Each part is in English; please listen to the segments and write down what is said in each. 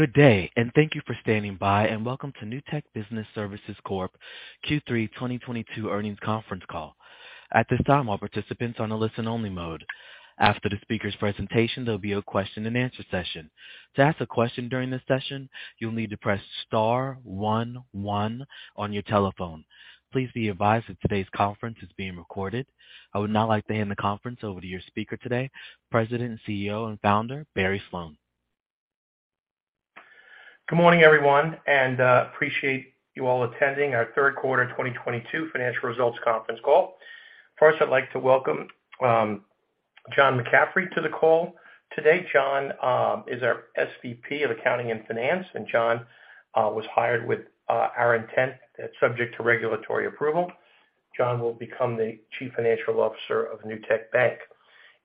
Good day, and thank you for standing by, and welcome to Newtek Business Services Corp Q3 2022 Earnings Conference Call. At this time, all participants are on a listen only mode. After the speaker's presentation, there'll be a question and answer session. To ask a question during this session, you'll need to press star one on your telephone. Please be advised that today's conference is being recorded. I would now like to hand the conference over to your speaker today, President, CEO, and Founder, Barry Sloane. Good morning, everyone, and I appreciate you all attending our Q3 2022 Financial Results Conference Call. First, I'd like to welcome John McCaffrey to the call today. John is our SVP of Accounting and Finance, and John was hired with our intent that, subject to regulatory approval, John will become the Chief Financial Officer of Newtek Bank.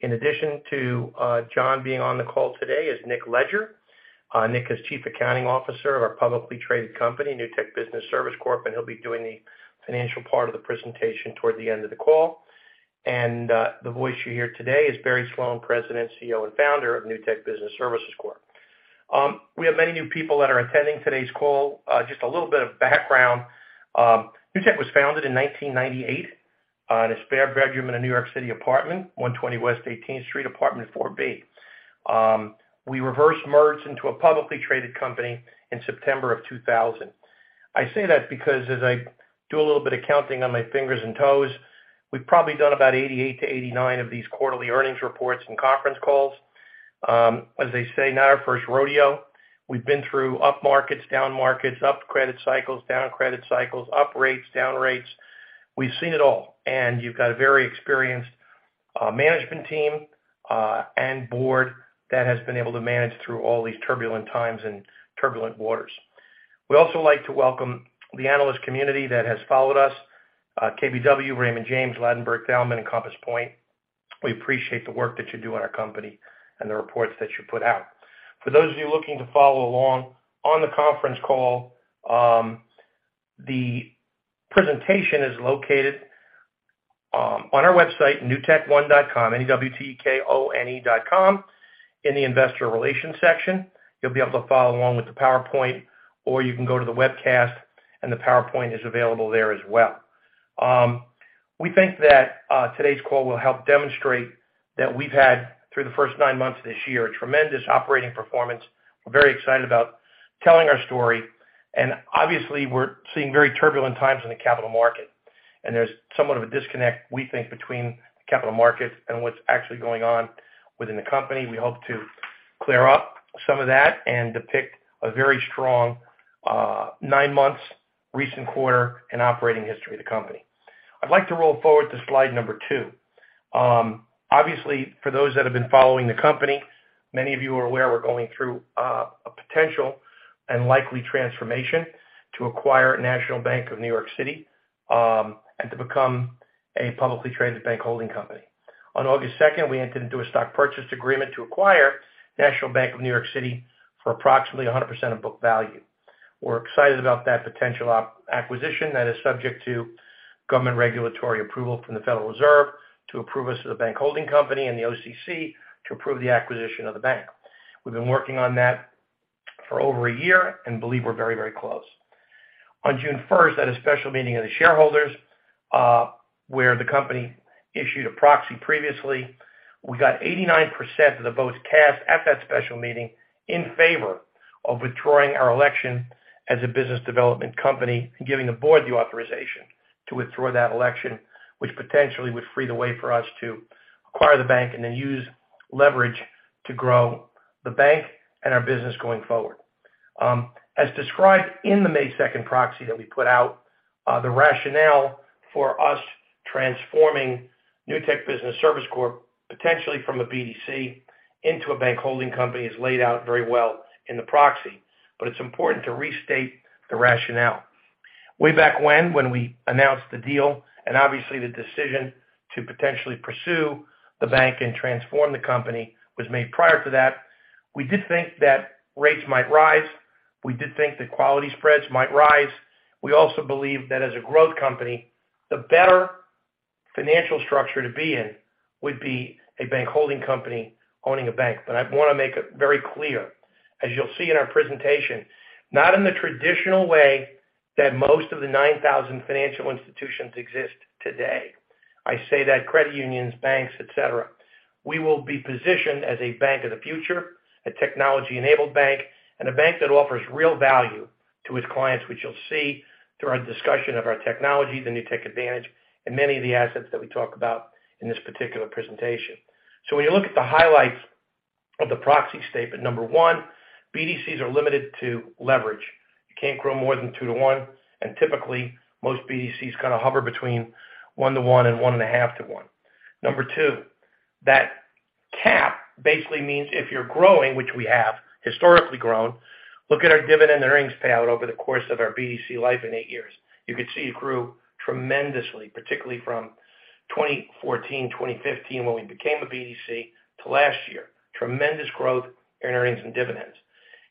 In addition to John being on the call today is Nick Leger. Nick is Chief Accounting Officer of our publicly traded company, Newtek Business Services Corp., and he'll be doing the financial part of the presentation toward the end of the call. The voice you hear today is Barry Sloane, President, CEO, and Founder of Newtek Business Services Corp. We have many new people that are attending today's call. Just a little bit of background. NewtekOne was founded in 1998 in a spare bedroom in a New York City apartment, 120 West 18th Street, apartment 4B. We reverse merged into a publicly traded company in September of 2000. I say that because as I do a little bit of counting on my fingers and toes, we've probably done about 88-89 of these quarterly earnings reports and conference calls. As they say, not our first rodeo. We've been through up markets, down markets, up credit cycles, down credit cycles, up rates, down rates. We've seen it all. You've got a very experienced management team and board that has been able to manage through all these turbulent times and turbulent waters. We also like to welcome the analyst community that has followed us, KBW, Raymond James, Ladenburg Thalmann, and Compass Point. We appreciate the work that you do on our company and the reports that you put out. For those of you looking to follow along on the conference call, the presentation is located on our website, newtekone.com, N-E-W-T-E-K-O-N-E dot com. In the investor relations section, you'll be able to follow along with the PowerPoint, or you can go to the webcast and the PowerPoint is available there as well. We think that today's call will help demonstrate that we've had, through the first nine months of this year, a tremendous operating performance. We're very excited about telling our story. Obviously we're seeing very turbulent times in the capital market, and there's somewhat of a disconnect, we think, between the capital markets and what's actually going on within the company. We hope to clear up some of that and depict a very strong, nine months recent quarter and operating history of the company. I'd like to roll forward to slide number two. Obviously, for those that have been following the company, many of you are aware we're going through, a potential and likely transformation to acquire National Bank of New York City, and to become a publicly traded bank holding company. On August 2nd, we entered into a stock purchase agreement to acquire National Bank of New York City for approximately 100% of book value. We're excited about that potential acquisition that is subject to government regulatory approval from the Federal Reserve to approve us as a bank holding company and the OCC to approve the acquisition of the bank. We've been working on that for over a year and believe we're very, very close. On June 1st, at a special meeting of the shareholders, where the company issued a proxy previously, we got 89% of the votes cast at that special meeting in favor of withdrawing our election as a business development company and giving the board the authorization to withdraw that election, which potentially would free the way for us to acquire the bank and then use leverage to grow the bank and our business going forward. As described in the May 2nd proxy that we put out, the rationale for us transforming Newtek Business Services Corp. potentially from a BDC into a bank holding company is laid out very well in the proxy. It's important to restate the rationale. Way back when we announced the deal, and obviously the decision to potentially pursue the bank and transform the company was made prior to that, we did think that rates might rise. We did think that quality spreads might rise. We also believe that as a growth company, the better financial structure to be in would be a bank holding company owning a bank. But I want to make it very clear, as you'll see in our presentation, not in the traditional way that most of the 9,000 financial institutions exist today. I say that, credit unions, banks, etc. We will be positioned as a bank of the future, a technology-enabled bank, and a bank that offers real value to its clients, which you'll see through our discussion of our technology, the Newtek Advantage, and many of the assets that we talk about in this particular presentation. When you look at the highlights of the proxy statement, number one, BDCs are limited to leverage. You can't grow more than to one, and typically most BDCs kind of hover between 1/1 and 1.5/1. Number two, that cap basically means if you're growing, which we have historically grown, look at our dividend earnings payout over the course of our BDC life in 8 years. You could see it grew tremendously, particularly from 2014, 2015, when we became a BDC to last year. Tremendous growth in earnings and dividends.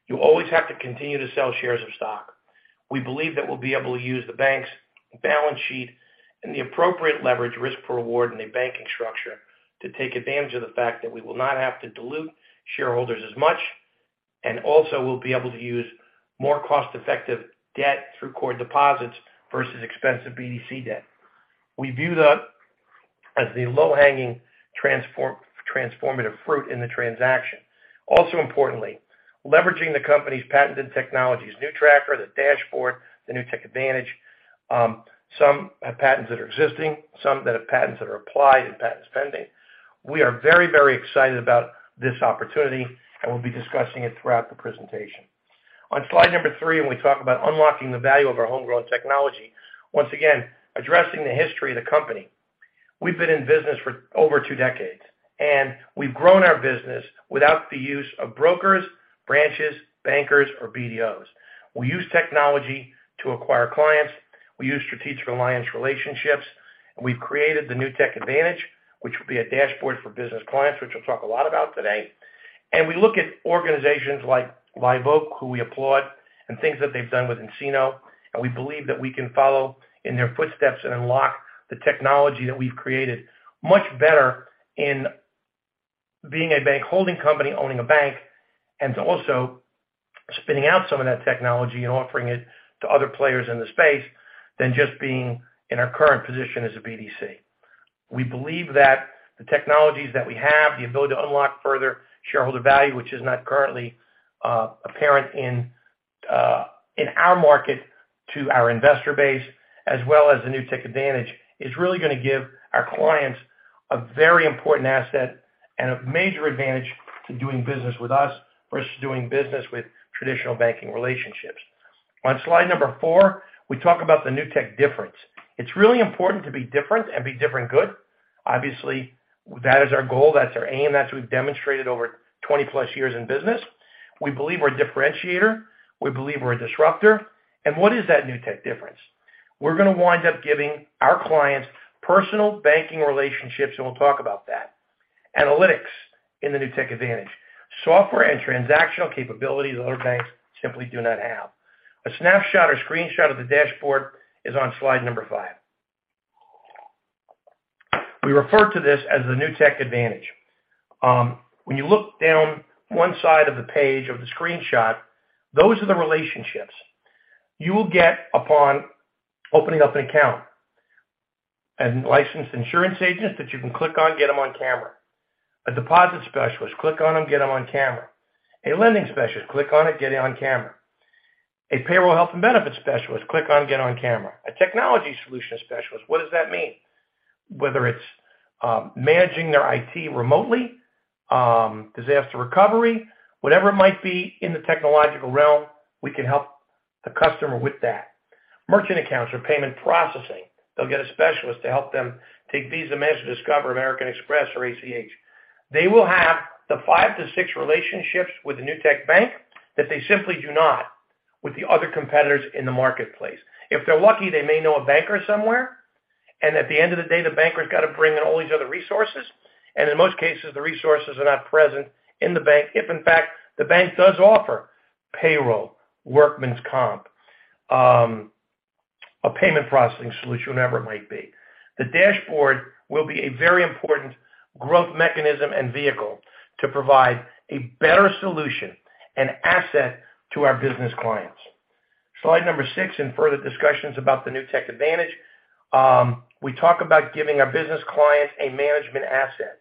You always have to continue to sell shares of stock. We believe that we'll be able to use the bank's balance sheet and the appropriate leverage risk per award in a banking structure to take advantage of the fact that we will not have to dilute shareholders as much, and also we'll be able to use more cost-effective debt through core deposits versus expensive BDC debt. We view that as the low-hanging transformative fruit in the transaction. Also importantly, leveraging the company's patented technologies, NewTracker, the dashboard, the Newtek Advantage, some have patents that are existing, some that have patents that are applied and patents pending. We are very, very excited about this opportunity, and we'll be discussing it throughout the presentation. On slide number three, when we talk about unlocking the value of our homegrown technology, once again, addressing the history of the company. We've been in business for over two decades, and we've grown our business without the use of brokers, branches, bankers, or BDOs. We use technology to acquire clients. We use strategic alliance relationships. We've created the Newtek Advantage, which will be a dashboard for business clients, which we'll talk a lot about today. We look at organizations like Live Oak, who we applaud, and things that they've done with nCino. We believe that we can follow in their footsteps and unlock the technology that we've created much better in being a bank holding company owning a bank and also spinning out some of that technology and offering it to other players in the space than just being in our current position as a BDC. We believe that the technologies that we have, the ability to unlock further shareholder value, which is not currently apparent in our market to our investor base, as well as the Newtek Advantage, is really going to give our clients a very important asset and a major advantage to doing business with us versus doing business with traditional banking relationships. On slide number four, we talk about the Newtek difference. It's really important to be different and be different good. Obviously, that is our goal. That's our aim. That's what we've demonstrated over 20-plus years in business. We believe we're a differentiator. We believe we're a disruptor. What is that Newtek difference? We're going to wind up giving our clients personal banking relationships, and we'll talk about that. Analytics in the Newtek Advantage. Software and transactional capabilities other banks simply do not have. A snapshot or screenshot of the dashboard is on slide number five. We refer to this as the Newtek Advantage. When you look down one side of the page of the screenshot, those are the relationships you will get upon opening up an account. A licensed insurance agent that you can click on, get them on camera. A deposit specialist, click on them, get them on camera. A lending specialist, click on it, get it on camera. A payroll health and benefits specialist, click on, get on camera. A technology solution specialist. What does that mean? Whether it's managing their IT remotely, disaster recovery, whatever it might be in the technological realm, we can help the customer with that. Merchant accounts or payment processing. They'll get a specialist to help them take Visa, Mastercard, Discover, American Express, or ACH. They will have the 5-6 relationships with the Newtek Bank that they simply do not with the other competitors in the marketplace. If they're lucky, they may know a banker somewhere. At the end of the day, the banker's got to bring in all these other resources. In most cases, the resources are not present in the bank if, in fact, the bank does offer payroll, workman's comp, a payment processing solution, whatever it might be. The dashboard will be a very important growth mechanism and vehicle to provide a better solution and asset to our business clients. Slide number six and further discussions about the Newtek Advantage. We talk about giving our business clients a management asset.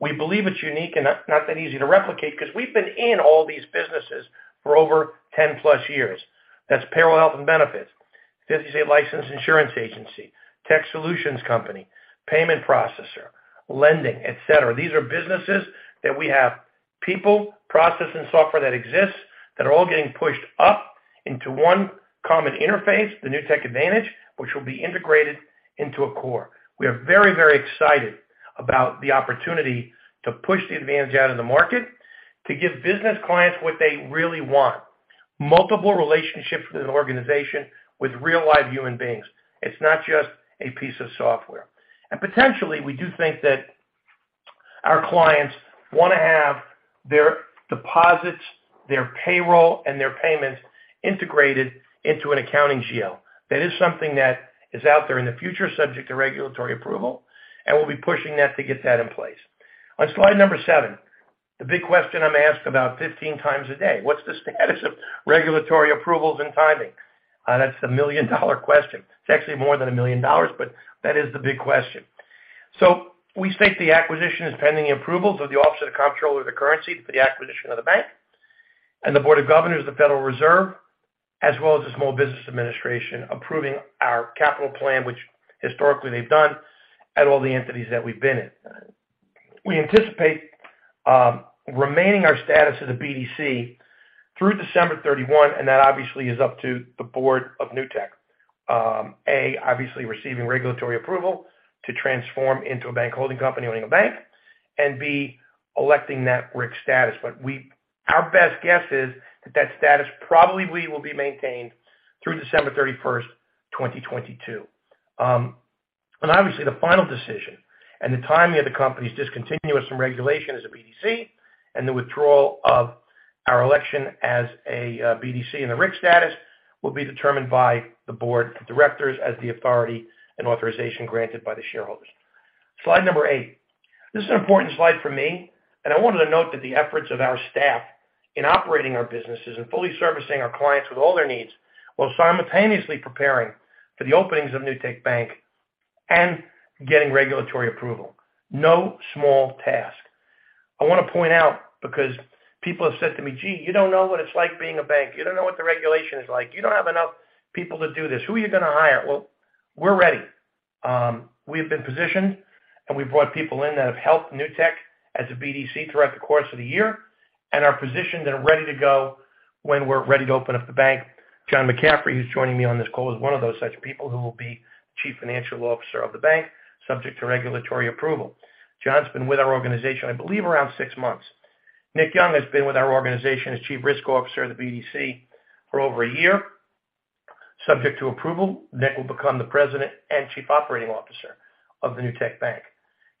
We believe it's unique and not that easy to replicate because we've been in all these businesses for over 10+ years. That's payroll health and benefits, 50-state licensed insurance agency, tech solutions company, payment processor, lending, etc. These are businesses that we have people, process, and software that exists that are all getting pushed up into one common interface, the Newtek Advantage, which will be integrated into a core. We are very, very excited about the opportunity to push the Advantage out in the market to give business clients what they really want, multiple relationships with an organization with real live human beings. It's not just a piece of software. Potentially, we do think that our clients want to have their deposits, their payroll, and their payments integrated into an accounting GL. That is something that is out there in the future subject to regulatory approval, and we'll be pushing that to get that in place. On slide number seven, the big question I'm asked about 15 times a day, what's the status of regulatory approvals and timing? That's the million-dollar question. It's actually more than a million dollars, but that is the big question. We state the acquisition is pending approval through the Office of the Comptroller of the Currency for the acquisition of the bank and the Board of Governors of the Federal Reserve, as well as the Small Business Administration approving our capital plan, which historically they've done at all the entities that we've been in. We anticipate remaining our status as a BDC through December 31, and that obviously is up to the board of NewtekOne. A, obviously receiving regulatory approval to transform into a bank holding company owning a bank, and B, electing that RIC status. Our best guess is that status probably will be maintained through December 31st, 2022. Obviously the final decision and the timing of the company's discontinuance from regulation as a BDC and the withdrawal of our election as a BDC and the RIC status will be determined by the board of directors as the authority and authorization granted by the shareholders. Slide number eight. This is an important slide for me, and I wanted to note that the efforts of our staff in operating our businesses and fully servicing our clients with all their needs while simultaneously preparing for the opening of Newtek Bank and getting regulatory approval. No small task. I wanna point out because people have said to me, "Gee, you don't know what it's like being a bank. You don't know what the regulation is like. You don't have enough people to do this. Who are you gonna hire?" Well, we're ready. We have been positioned, and we've brought people in that have helped Newtek as a BDC throughout the course of the year and are positioned and are ready to go when we're ready to open up the bank. John McCaffrey, who's joining me on this call, is one of those such people who will be Chief Financial Officer of the bank, subject to regulatory approval. John's been with our organization, I believe, around six months. Nick Young has been with our organization as Chief Risk Officer of the BDC for over a year. Subject to approval, Nick will become the President and Chief Operating Officer of the Newtek Bank.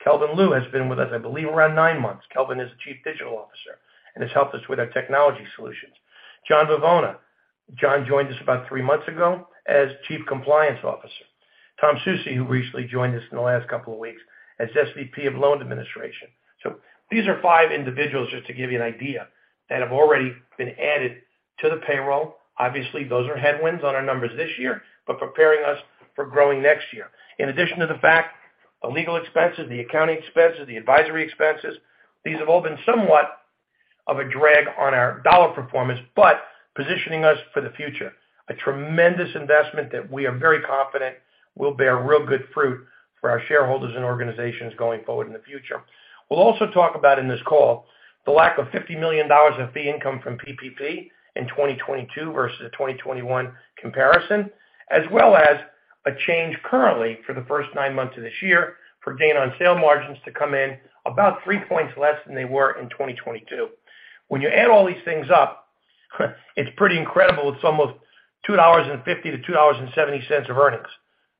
Kelvin Liu has been with us, I believe, around nine months. Kelvin is the Chief Digital Officer and has helped us with our technology solutions. John Bivona. John Bivona joined us about three months ago as Chief Compliance Officer. Tom Soucy, who recently joined us in the last couple of weeks, as SVP of Loan Administration. These are five individuals, just to give you an idea, that have already been added to the payroll. Obviously, those are headwinds on our numbers this year, but preparing us for growing next year. In addition to the fact, the legal expenses, the accounting expenses, the advisory expenses, these have all been somewhat of a drag on our dollar performance, but positioning us for the future. A tremendous investment that we are very confident will bear real good fruit for our shareholders and organizations going forward in the future. We'll also talk about in this call the lack of $50 million of fee income from PPP in 2022 versus the 2021 comparison, as well as a change currently for the first 9 months of this year for gain on sale margins to come in about 3 points less than they were in 2022. When you add all these things up, it's pretty incredible. It's almost $2.50-$2.70 of earnings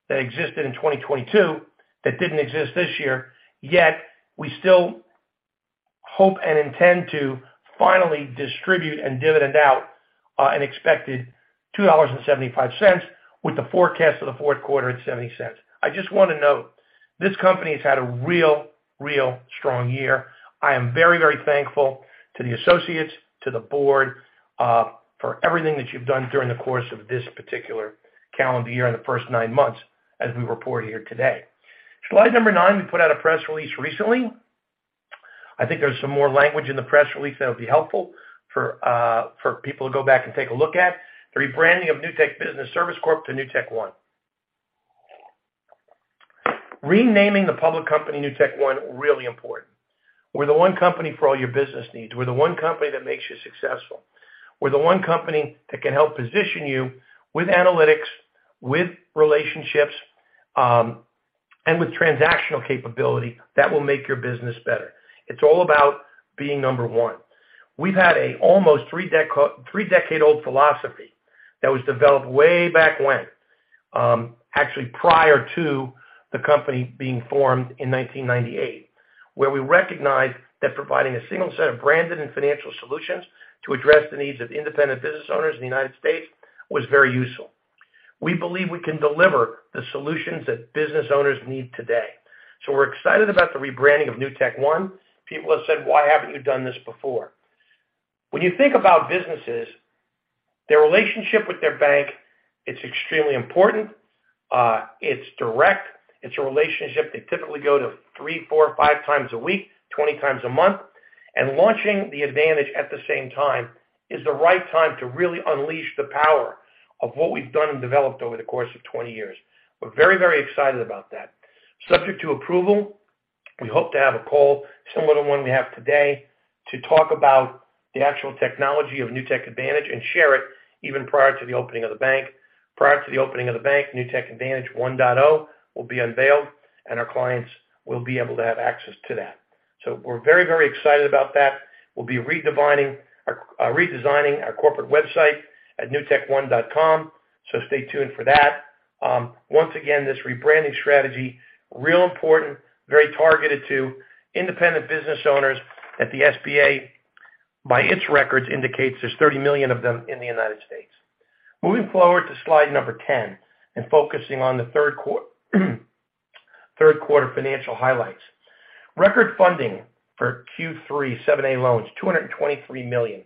that existed in 2022 that didn't exist this year. Yet, we still hope and intend to finally distribute and dividend out an expected $2.75 with the forecast of the Q4 at $0.70. I just wanna note, this company has had a real strong year. I am very, very thankful to the associates, to the board, for everything that you've done during the course of this particular calendar year and the first nine months as we report here today. Slide number nine, we put out a press release recently. I think there's some more language in the press release that would be helpful for people to go back and take a look at. The rebranding of Newtek Business Services Corp. to NewtekOne. Renaming the public company NewtekOne, really important. We're the one company for all your business needs. We're the one company that makes you successful. We're the one company that can help position you with analytics, with relationships, and with transactional capability that will make your business better. It's all about being number one. We've had an almost three-decade-old philosophy that was developed way back when, actually prior to the company being formed in 1998, where we recognized that providing a single set of branded and financial solutions to address the needs of independent business owners in the United States was very useful. We believe we can deliver the solutions that business owners need today. We're excited about the rebranding of NewtekOne. People have said, "Why haven't you done this before?" When you think about businesses, their relationship with their bank, it's extremely important. It's direct. It's a relationship they typically go to 3, 4, 5 times a week, 20 times a month. Launching the Advantage at the same time is the right time to really unleash the power of what we've done and developed over the course of 20 years. We're very, very excited about that. Subject to approval, we hope to have a call similar to the one we have today to talk about the actual technology of Newtek Advantage and share it even prior to the opening of the bank. Prior to the opening of the bank, Newtek Advantage 1.0 will be unveiled, and our clients will be able to have access to that. We're very, very excited about that. We'll be redesigning our corporate website at newtekone.com, so stay tuned for that. Once again, this rebranding strategy, real important, very targeted to independent business owners at the SBA, by its records, indicates there's 30 million of them in the United States. Moving forward to slide number 10 and focusing on the Q3 financial highlights. Record funding for Q3 7A loans, $223 million,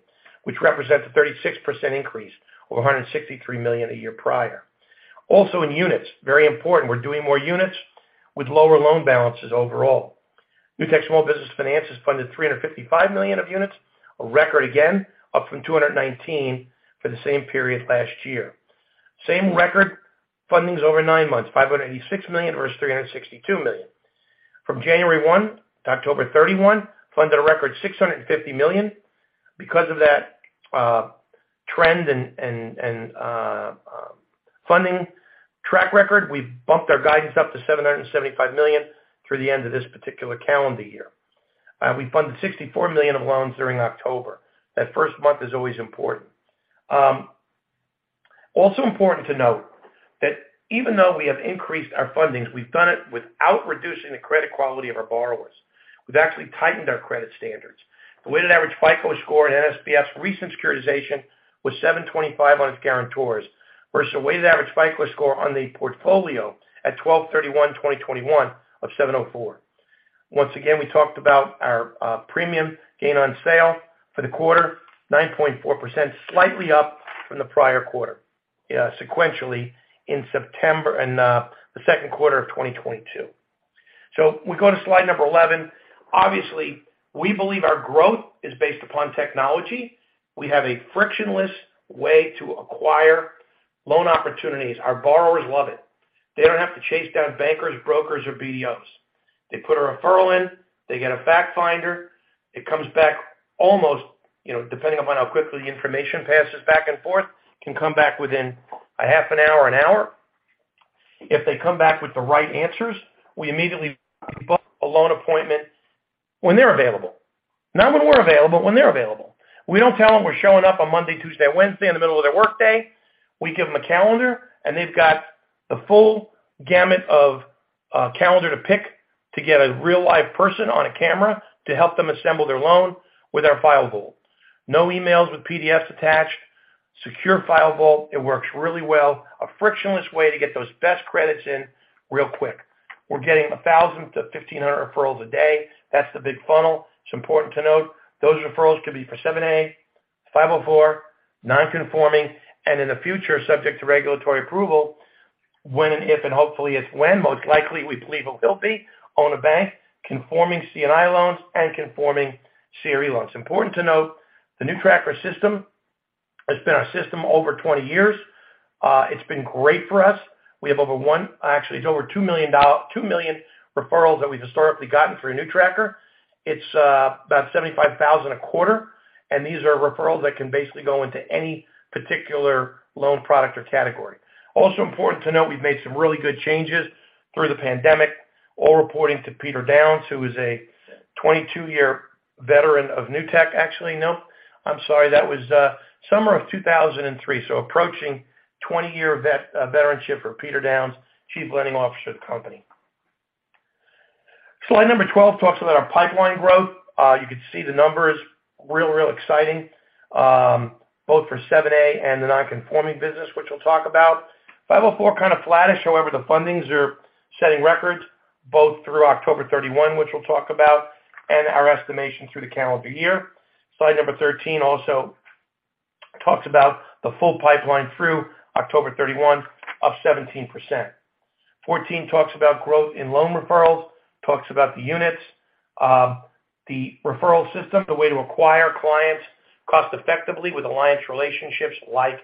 which represents a 36% increase over $163 million a year prior. Also in units, very important, we're doing more units with lower loan balances overall. Newtek Small Business Finance has funded 355 units, a record again, up from 219 for the same period last year. Same record fundings over nine months, $586 million versus $362 million. From January 1 to October 31, funded a record $650 million. Because of that, trend and funding track record, we bumped our guidance up to $775 million through the end of this particular calendar year. We funded $64 million of loans during October. That first month is always important. Also important to note that even though we have increased our fundings, we've done it without reducing the credit quality of our borrowers. We've actually tightened our credit standards. The weighted average FICO score in NSBF's recent securitization was 725 on its guarantors versus a weighted average FICO score on the portfolio at 12/31/2021 of 704. Once again, we talked about our premium gain on sale for the quarter, 9.4%, slightly up from the prior quarter sequentially in September and the Q2 of 2022. We go to slide 11. Obviously, we believe our growth is based upon technology. We have a frictionless way to acquire loan opportunities. Our borrowers love it. They don't have to chase down bankers, brokers, or BDOs. They put a referral in, they get a fact finder. It comes back almost, you know, depending upon how quickly the information passes back and forth, can come back within a half an hour or an hour. If they come back with the right answers, we immediately book a loan appointment when they're available. Not when we're available, when they're available. We don't tell them we're showing up on Monday, Tuesday, and Wednesday in the middle of their workday. We give them a calendar, and they've got the full gamut of calendar to pick to get a real live person on a camera to help them assemble their loan with our file vault. No emails with PDFs attached. Secure file vault. It works really well. A frictionless way to get those best credits in real quick. We're getting 1,000-1,500 referrals a day. That's the big funnel. It's important to note those referrals could be for 7(a), 504 non-conforming, and in the future, subject to regulatory approval, when and if, and hopefully it's when, most likely we believe we'll own a bank conforming C&I loans and conforming CRE loans. Important to note, the NewTracker system has been our system over 20 years. It's been great for us. We have over 2 million referrals that we've historically gotten through a NewTracker. It's about 75,000 a quarter. These are referrals that can basically go into any particular loan product or category. Also important to note, we've made some really good changes through the pandemic, all reporting to Peter Downs, who is a 22 year veteran of Newtek. Actually, no, I'm sorry, that was summer of 2003. Approaching 20 year veteranship for Peter Downs, Chief Lending Officer of the company. Slide number 12 talks about our pipeline growth. You can see the numbers. Real exciting, both for 7(a) and the non-conforming business, which we'll talk about. 504 kind of flattish. However, the fundings are setting records both through October 31, which we'll talk about, and our estimation through the calendar year. Slide number 13 also talks about the full pipeline through October 31 of 17%. 14 talks about growth in loan referrals, talks about the units, the referral system, the way to acquire clients cost effectively with alliance relationships like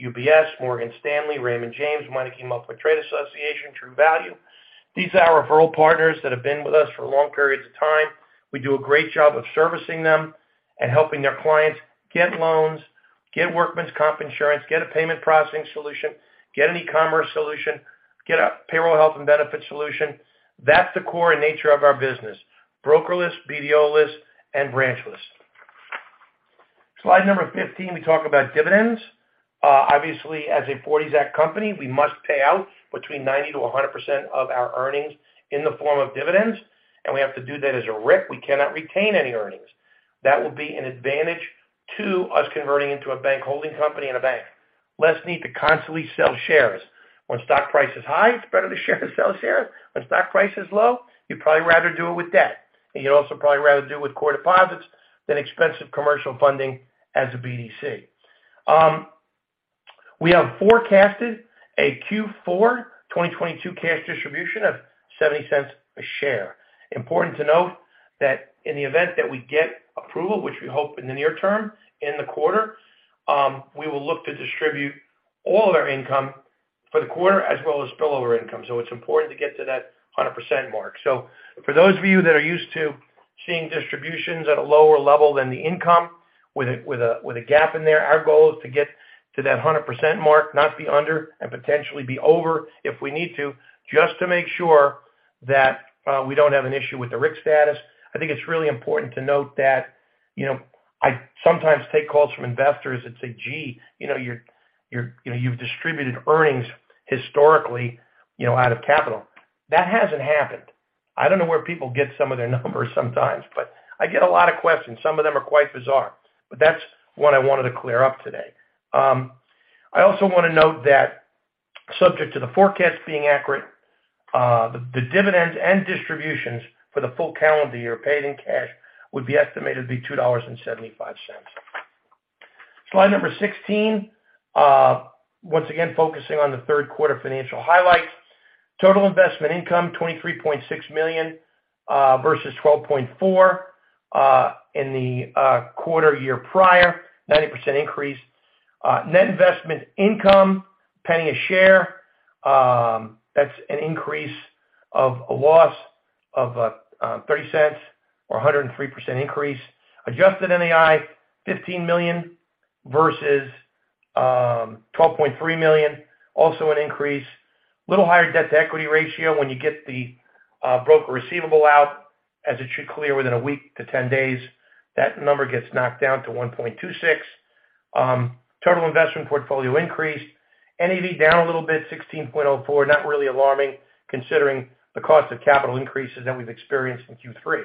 UBS, Morgan Stanley, Raymond James, Money.com, trade associations, True Value. These are our referral partners that have been with us for long periods of time. We do a great job of servicing them and helping their clients get loans, get workman's comp insurance, get a payment processing solution, get an e-commerce solution, get a payroll health and benefit solution. That's the core nature of our business. Brokerless, BDOless, and branchless. Slide number 15, we talk about dividends. Obviously, as a '40 Act company, we must pay out between 90%-100% of our earnings in the form of dividends, and we have to do that as a RIC. We cannot retain any earnings. That will be an advantage to us converting into a bank holding company and a bank. Less need to constantly sell shares. When stock price is high, it's better to sell shares. When stock price is low, you'd probably rather do it with debt. You'd also probably rather do it with core deposits than expensive commercial funding as a BDC. We have forecasted a Q4 2022 cash distribution of $0.70 a share. Important to note that in the event that we get approval, which we hope in the near term in the quarter, we will look to distribute all of our income for the quarter as well as spillover income. It's important to get to that 100% mark. For those of you that are used to seeing distributions at a lower level than the income with a gap in there, our goal is to get to that 100% mark, not be under and potentially be over if we need to, just to make sure that we don't have an issue with the RIC status. I think it's really important to note that, you know, I sometimes take calls from investors and say, "Gee, you know, you're, you know, you've distributed earnings historically, you know, out of capital." That hasn't happened. I don't know where people get some of their numbers sometimes, but I get a lot of questions. Some of them are quite bizarre. That's what I wanted to clear up today. I also wanna note that subject to the forecast being accurate, the dividends and distributions for the full calendar year paid in cash would be estimated to be $2.75. Slide 16. Once again, focusing on the Q3 financial highlights. Total investment income, $23.6 million versus $12.4 million in the prior-year quarter, 90% increase. Net investment income, $0.01 a share. That's an increase of a loss of $0.30 or 103% increase. Adjusted NII, $15 million versus $12.3 million, also an increase. Little higher debt to equity ratio when you get the broker receivable out. As it should clear within a week to 10 days, that number gets knocked down to 1.26. Total investment portfolio increased. NAV down a little bit, 16.04. Not really alarming considering the cost of capital increases that we've experienced in Q3.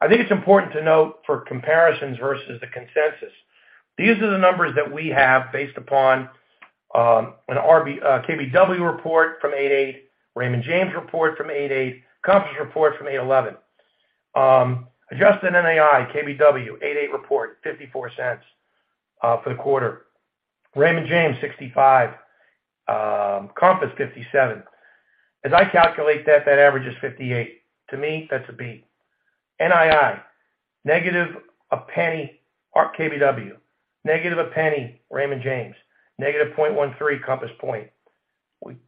I think it's important to note for comparisons versus the consensus, these are the numbers that we have based upon a KBW report from 8/8, Raymond James report from 8/8, Compass Point report from 8/11. Adjusted NII, KBW 8/8 report, $0.54 for the quarter. Raymond James, $0.65. Compass Point, $0.57. As I calculate that average is 58. To me, that's a B. NII, -0.01, KBW. -0.01, Raymond James. -0.13, Compass Point.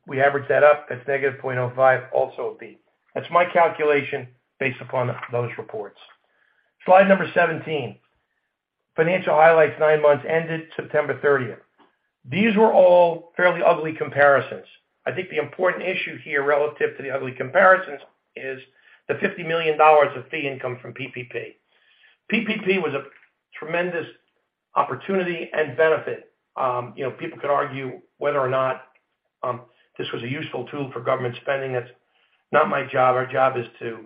We average that up, that's negative 0.05, also a B. That's my calculation based upon those reports. Slide 17. Financial highlights nine months ended September 30. These were all fairly ugly comparisons. I think the important issue here relative to the ugly comparisons is the $50 million of fee income from PPP. PPP was a tremendous opportunity and benefit. You know, people could argue whether or not this was a useful tool for government spending. That's not my job. Our job is to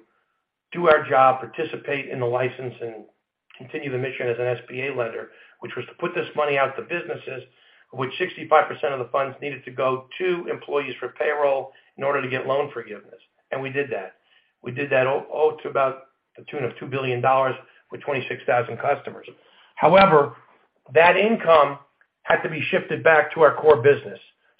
do our job, participate in the license, and continue the mission as an SBA lender, which was to put this money out to businesses of which 65% of the funds needed to go to employees for payroll in order to get loan forgiveness. We did that. We did that to about the tune of $2 billion with 26,000 customers. However, that income had to be shifted back to our core business.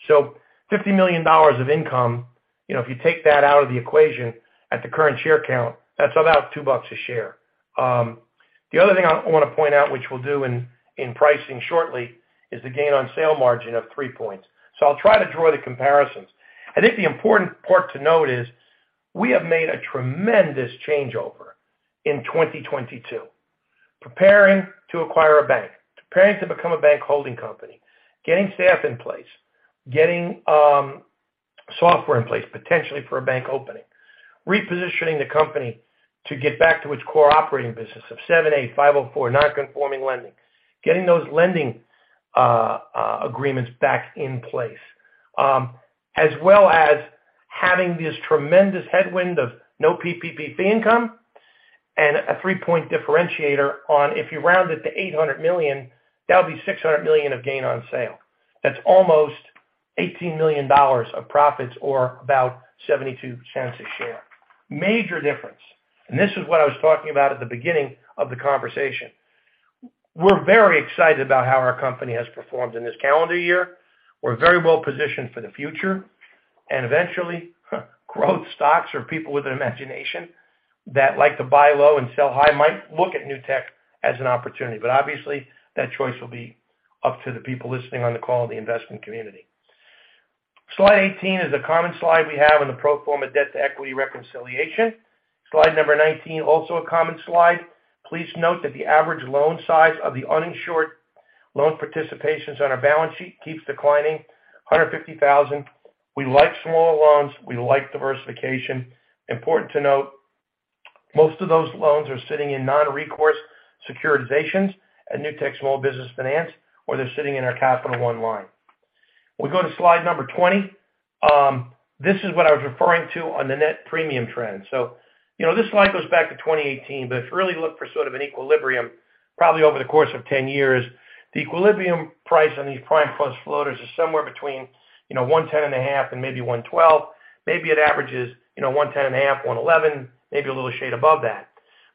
$50 million of income, you know, if you take that out of the equation at the current share count, that's about $2 a share. The other thing I want to point out, which we'll do in pricing shortly, is the gain on sale margin of 3 points. I'll try to draw the comparisons. I think the important part to note is we have made a tremendous changeover in 2022 preparing to acquire a bank, preparing to become a bank holding company, getting staff in place, getting software in place potentially for a bank opening, repositioning the company to get back to its core operating business of 7(a), 504 non-conforming lending, getting those lending agreements back in place, as well as having this tremendous headwind of no PPP fee income and a 3% differentiator on if you round it to $800 million, that would be $600 million of gain on sale. That's almost $18 million of profits or about $0.72 a share. Major difference. This is what I was talking about at the beginning of the conversation. We're very excited about how our company has performed in this calendar year. We're very well positioned for the future and eventually, growth stocks or people with an imagination that like to buy low and sell high might look at Newtek as an opportunity. Obviously, that choice will be up to the people listening on the call and the investment community. Slide 18 is a common slide we have in the pro forma debt to equity reconciliation. Slide number 19, also a common slide. Please note that the average loan size of the uninsured loan participations on our balance sheet keeps declining, $150,000. We like smaller loans. We like diversification. Important to note, most of those loans are sitting in non-recourse securitizations at Newtek Small Business Finance, or they're sitting in our Capital One line. We go to slide number 20. This is what I was referring to on the net premium trend. You know, this slide goes back to 2018, but if you really look for sort of an equilibrium probably over the course of 10 years, the equilibrium price on these prime plus floaters is somewhere between, you know, 110.5 and maybe 112. Maybe it averages, you know, 110.5, 111, maybe a little shade above that.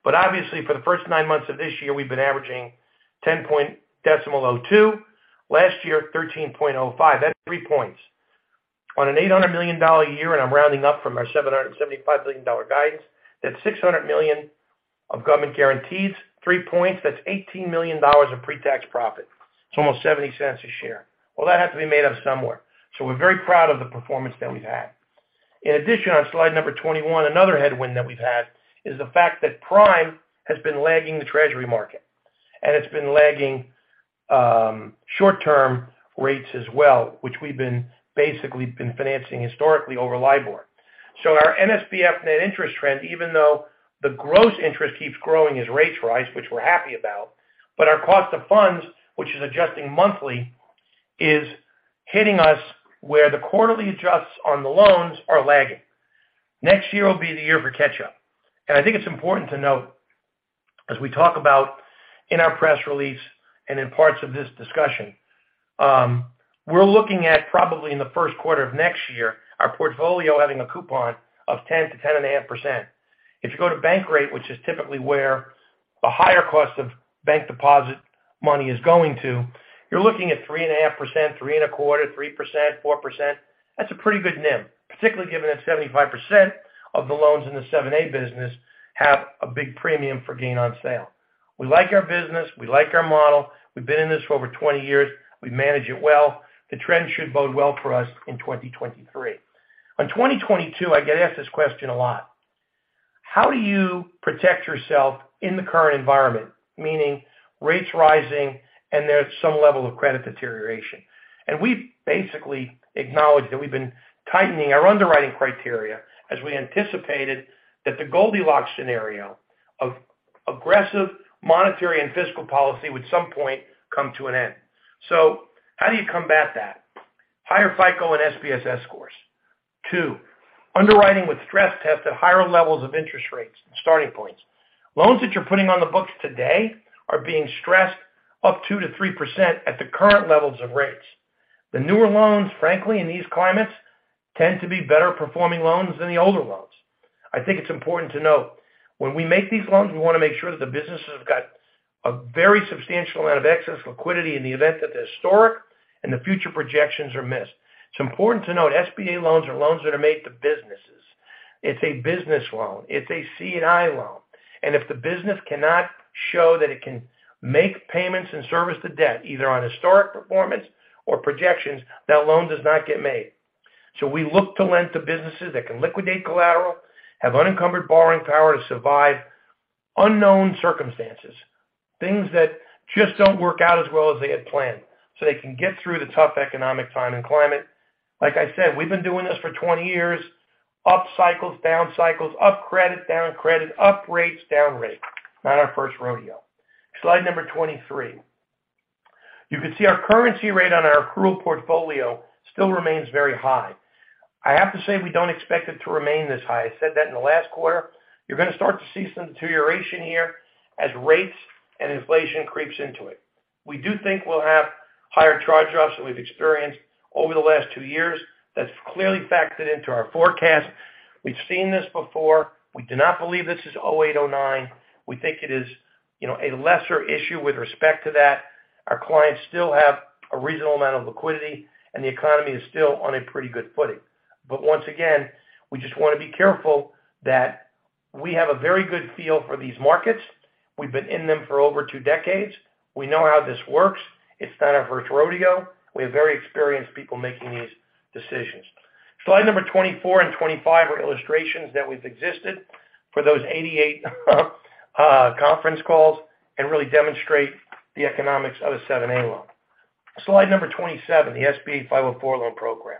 But obviously, for the first nine months of this year, we've been averaging 10.02. Last year, 13.05. That's 3 points. On a $800 million a year, and I'm rounding up from our $775 million guidance, that's $600 million of government guarantees, 3 points. That's $18 million of pre-tax profit. It's almost $0.70 a share. Well, that has to be made up somewhere. We're very proud of the performance that we've had. In addition, on slide number 21, another headwind that we've had is the fact that prime has been lagging the Treasury market, and it's been lagging short-term rates as well, which we've been basically financing historically over LIBOR. Our NSBF net interest trend, even though the gross interest keeps growing as rates rise, which we're happy about, but our cost of funds, which is adjusting monthly, is hitting us where the quarterly adjusts on the loans are lagging. Next year will be the year for catch up. I think it's important to note, as we talk about in our press release and in parts of this discussion, we're looking at probably in the Q1 of next year, our portfolio having a coupon of 10%-10.5%. If you go to Bankrate, which is typically where the higher cost of bank deposit money is going to, you're looking at 3.5%, 3.25%, 3%, 4%. That's a pretty good NIM, particularly given that 75% of the loans in the 7(a) business have a big premium for gain on sale. We like our business. We like our model. We've been in this for over 20 years. We manage it well. The trend should bode well for us in 2023. On 2022, I get asked this question a lot. How do you protect yourself in the current environment? Meaning rates rising and there's some level of credit deterioration. We basically acknowledge that we've been tightening our underwriting criteria as we anticipated that the Goldilocks scenario of aggressive monetary and fiscal policy would at some point come to an end. How do you combat that? Higher FICO and SBSS scores. Two, underwriting with stress tests at higher levels of interest rates and starting points. Loans that you're putting on the books today are being stressed up 2%-3% at the current levels of rates. The newer loans, frankly, in these climates, tend to be better performing loans than the older loans. I think it's important to note when we make these loans, we wanna make sure that the business has got a very substantial amount of excess liquidity in the event that the historic and the future projections are missed. It's important to note SBA loans are loans that are made to businesses. It's a business loan, it's a C&I loan, and if the business cannot show that it can make payments and service the debt, either on historic performance or projections, that loan does not get made. We look to lend to businesses that can liquidate collateral, have unencumbered borrowing power to survive unknown circumstances, things that just don't work out as well as they had planned, so they can get through the tough economic time and climate. Like I said, we've been doing this for 20 years. Up cycles, down cycles, up credit, down credit, up rates, down rates. Not our first rodeo. Slide number 23. You can see our delinquency rate on our accrual portfolio still remains very high. I have to say, we don't expect it to remain this high. I said that in the last quarter. You're gonna start to see some deterioration here as rates and inflation creeps into it. We do think we'll have higher charge-offs than we've experienced over the last two years. That's clearly factored into our forecast. We've seen this before. We do not believe this is 2008, 2009. We think it is, you know, a lesser issue with respect to that. Our clients still have a reasonable amount of liquidity, and the economy is still on a pretty good footing. Once again, we just wanna be careful that we have a very good feel for these markets. We've been in them for over two decades. We know how this works. It's not our first rodeo. We have very experienced people making these decisions. Slide number 24 and 25 are illustrations that we've existed for those 88 conference calls and really demonstrate the economics of a 7(a) loan. Slide number 27, the SBA 504 loan program.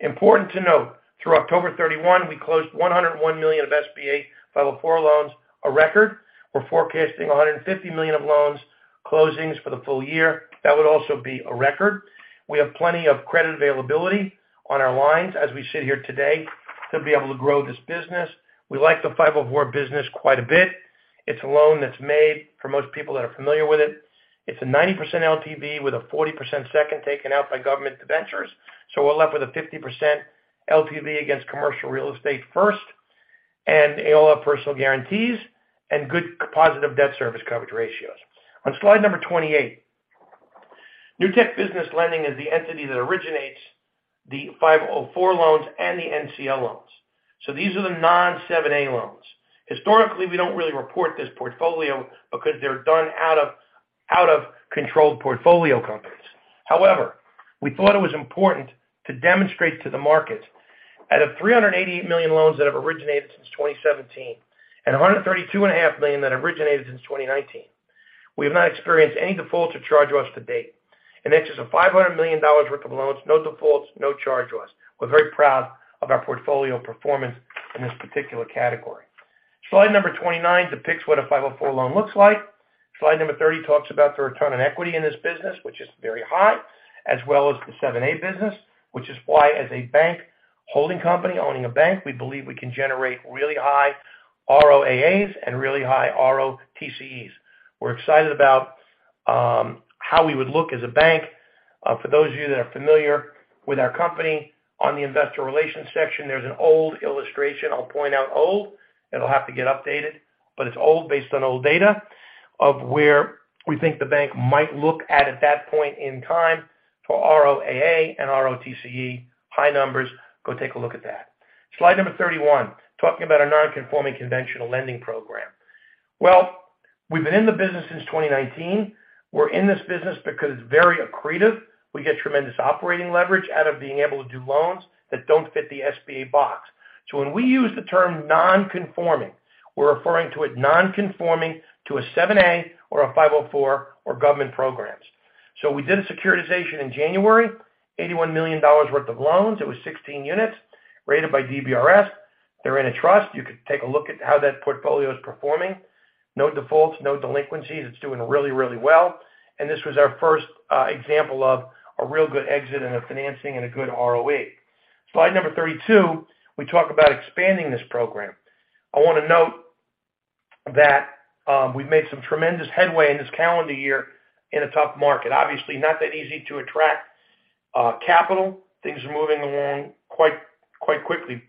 Important to note, through October 31, we closed $101 million of SBA 504 loans, a record. We're forecasting $150 million of loan closings for the full year. That would also be a record. We have plenty of credit availability on our lines as we sit here today to be able to grow this business. We like the 504 business quite a bit. It's a loan that's made for most people that are familiar with it. It's a 90% LTV with a 40% second taken out by government debentures. We're left with a 50% LTV against commercial real estate first, and they all have personal guarantees and good positive debt service coverage ratios. On slide number 28, Newtek Business Lending is the entity that originates the 504 loans and the NCL loans. These are the non-7(a) loans. Historically, we don't really report this portfolio because they're done out of controlled portfolio companies. However, we thought it was important to demonstrate to the market out of $388 million loans that have originated since 2017 and $132.5 million that originated since 2019, we have not experienced any defaults or charge-offs to date. That's just $500 million worth of loans, no defaults, no charge-offs. We're very proud of our portfolio performance in this particular category. Slide number 29 depicts what a 504 loan looks like. Slide number 30 talks about the return on equity in this business, which is very high, as well as the 7(a) business, which is why as a bank holding company owning a bank, we believe we can generate really high ROAAs and really high ROTCEs. We're excited about how we would look as a bank. For those of you that are familiar with our company, on the investor relations section, there's an old illustration. I'll point out old. It'll have to get updated, but it's old, based on old data of where we think the bank might look at that point in time for ROAA and ROTCE. High numbers. Go take a look at that. Slide number 31, talking about our non-conforming conventional lending program. Well, we've been in the business since 2019. We're in this business because it's very accretive. We get tremendous operating leverage out of being able to do loans that don't fit the SBA box. When we use the term non-conforming, we're referring to it non-conforming to a 7(a) or a 504 or government programs. We did a securitization in January, $81 million worth of loans. It was 16 units rated by DBRS. They're in a trust. You could take a look at how that portfolio is performing. No defaults, no delinquencies. It's doing really, really well. This was our first example of a real good exit and a financing and a good ROE. Slide number 32, we talk about expanding this program. I wanna note that, we've made some tremendous headway in this calendar year in a tough market. Obviously, not that easy to attract capital. Things are moving along quite quickly.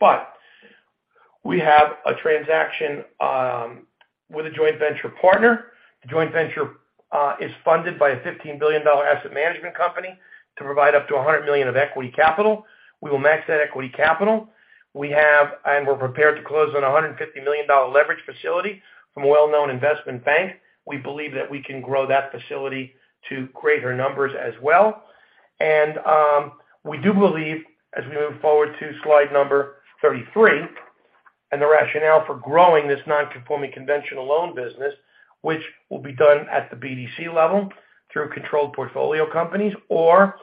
We have a transaction with a joint venture partner. The joint venture is funded by a $15 billion asset management company to provide up to $100 million of equity capital. We will match that equity capital. We have and we're prepared to close on a $150 million leverage facility from a well-known investment bank. We believe that we can grow that facility to greater numbers as well. We do believe as we move forward to slide number 33 and the rationale for growing this non-conforming conventional loan business, which will be done at the BDC level through controlled portfolio companies or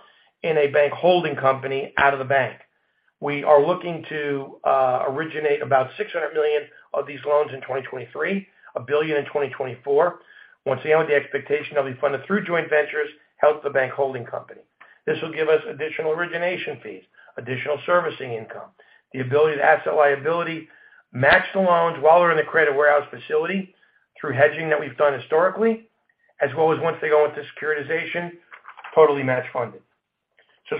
in a bank holding company out of the bank. We are looking to originate about $600 million of these loans in 2023, $1 billion in 2024. Once again, with the expectation they'll be funded through joint ventures, help the bank holding company. This will give us additional origination fees, additional servicing income, the ability to asset liability match the loans while they're in the credit warehouse facility through hedging that we've done historically, as well as once they go into securitization, totally match funded.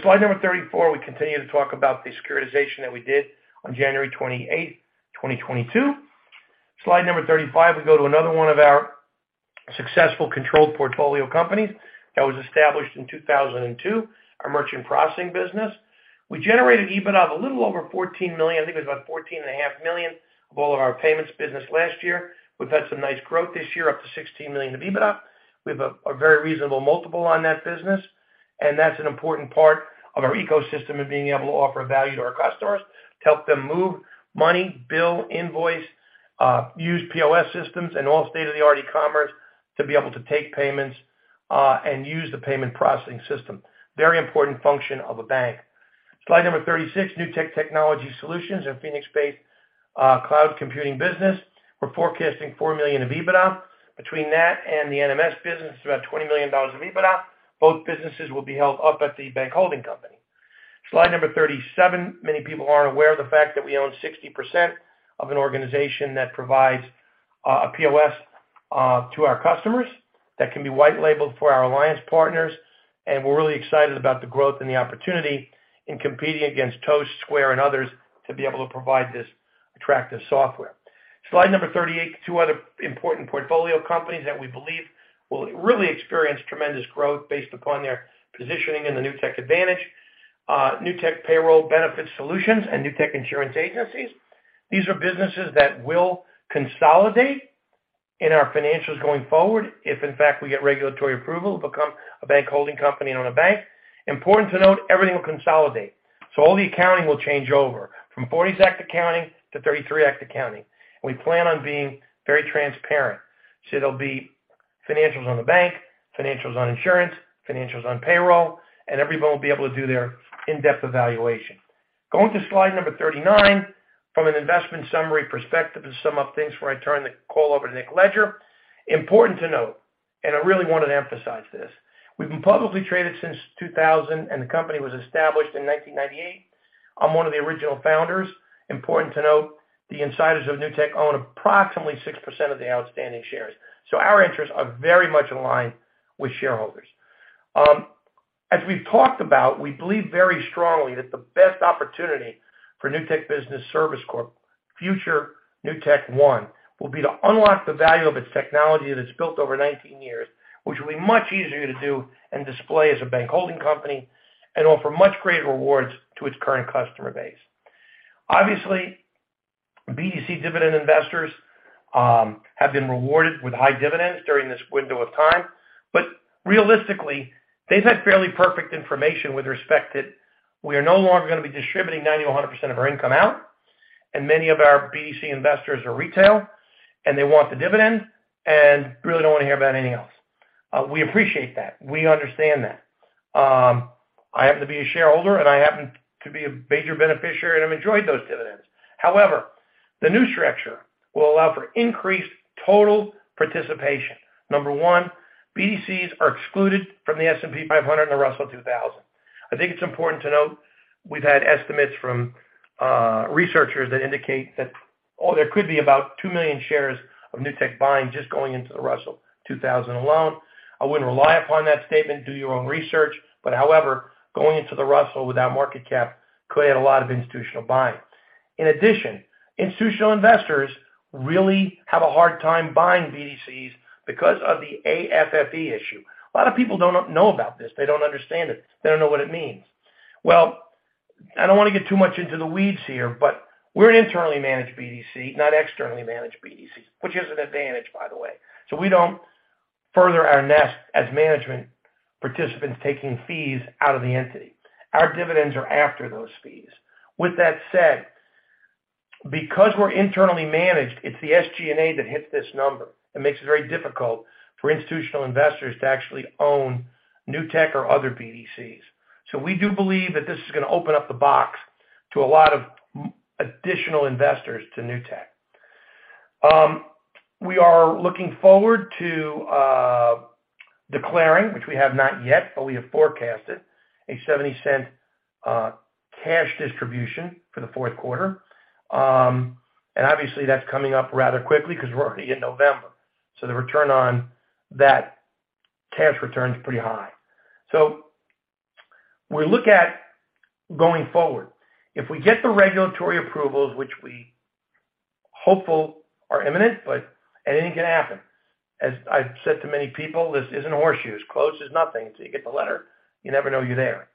Slide number 34, we continue to talk about the securitization that we did on January 28, 2022. Slide number 35, we go to another one of our successful controlled portfolio companies that was established in 2002, our merchant processing business. We generated EBITDA of a little over $14 million. I think it was about $14.5 million of all of our payments business last year. We've had some nice growth this year, up to $16 million of EBITDA. We have a very reasonable multiple on that business, and that's an important part of our ecosystem and being able to offer value to our customers to help them move money, bill, invoice, use POS systems and all state-of-the-art e-commerce to be able to take payments, and use the payment processing system. Very important function of a bank. Slide number 36, Newtek Technology Solutions, a Phoenix-based cloud computing business. We're forecasting $4 million of EBITDA. Between that and the NMS business, it's about $20 million of EBITDA. Both businesses will be held up at the bank holding company. Slide number 37. Many people aren't aware of the fact that we own 60% of an organization that provides a POS to our customers that can be white labeled for our alliance partners, and we're really excited about the growth and the opportunity in competing against Toast, Square, and others to be able to provide this attractive software. Slide number 38, two other important portfolio companies that we believe will really experience tremendous growth based upon their positioning in the Newtek Advantage, Newtek Payroll and Benefits Solutions and Newtek Insurance Agency. These are businesses that will consolidate in our financials going forward if in fact we get regulatory approval to become a bank holding company and own a bank. Important to note, everything will consolidate. All the accounting will change over from '40 Act accounting to '33 Act accounting. We plan on being very transparent. There'll be financials on the bank, financials on insurance, financials on payroll, and everyone will be able to do their in-depth evaluation. Going to slide number 39. From an investment summary perspective, to sum up things before I turn the call over to Nick Leger. Important to note, and I really want to emphasize this. We've been publicly traded since 2000, and the company was established in 1998. I'm one of the original founders. Important to note, the insiders of Newtek own approximately 6% of the outstanding shares. Our interests are very much in line with shareholders. As we've talked about, we believe very strongly that the best opportunity for Newtek Business Services Corp., future NewtekOne, will be to unlock the value of its technology that's built over 19 years, which will be much easier to do and display as a bank holding company and offer much greater rewards to its current customer base. Obviously, BDC dividend investors have been rewarded with high dividends during this window of time. Realistically, they've had fairly perfect information with respect that we are no longer gonna be distributing 90%-100% of our income out, and many of our BDC investors are retail, and they want the dividend and really don't wanna hear about anything else. We appreciate that. We understand that. I happen to be a shareholder, and I happen to be a major beneficiary, and I've enjoyed those dividends. However, the new structure will allow for increased total participation. Number one, BDCs are excluded from the S&P 500 and the Russell 2000. I think it's important to note we've had estimates from researchers that indicate that there could be about 2 million shares of Newtek buying just going into the Russell 2000 alone. I wouldn't rely upon that statement. Do your own research. But however, going into the Russell with that market cap could add a lot of institutional buying. In addition, institutional investors really have a hard time buying BDCs because of the AFFE issue. A lot of people don't know about this. They don't understand it. They don't know what it means. Well, I don't want to get too much into the weeds here, but we're an internally managed BDC, not externally managed BDC, which is an advantage, by the way. We don't feather our nest as management participants taking fees out of the entity. Our dividends are after those fees. With that said, because we're internally managed, it's the SG&A that hits this number and makes it very difficult for institutional investors to actually own Newtek or other BDCs. We do believe that this is gonna open up the box to a lot of additional investors to Newtek. We are looking forward to declaring, which we have not yet, but we have forecasted a $0.70 cash distribution for the Q4. Obviously that's coming up rather quickly because we're already in November. The return on that cash return is pretty high. We look at going forward. If we get the regulatory approvals, which we're hopeful are imminent, but anything can happen. As I've said to many people, this isn't a horseshoe. As close as nothing till you get the letter, you never know you're there.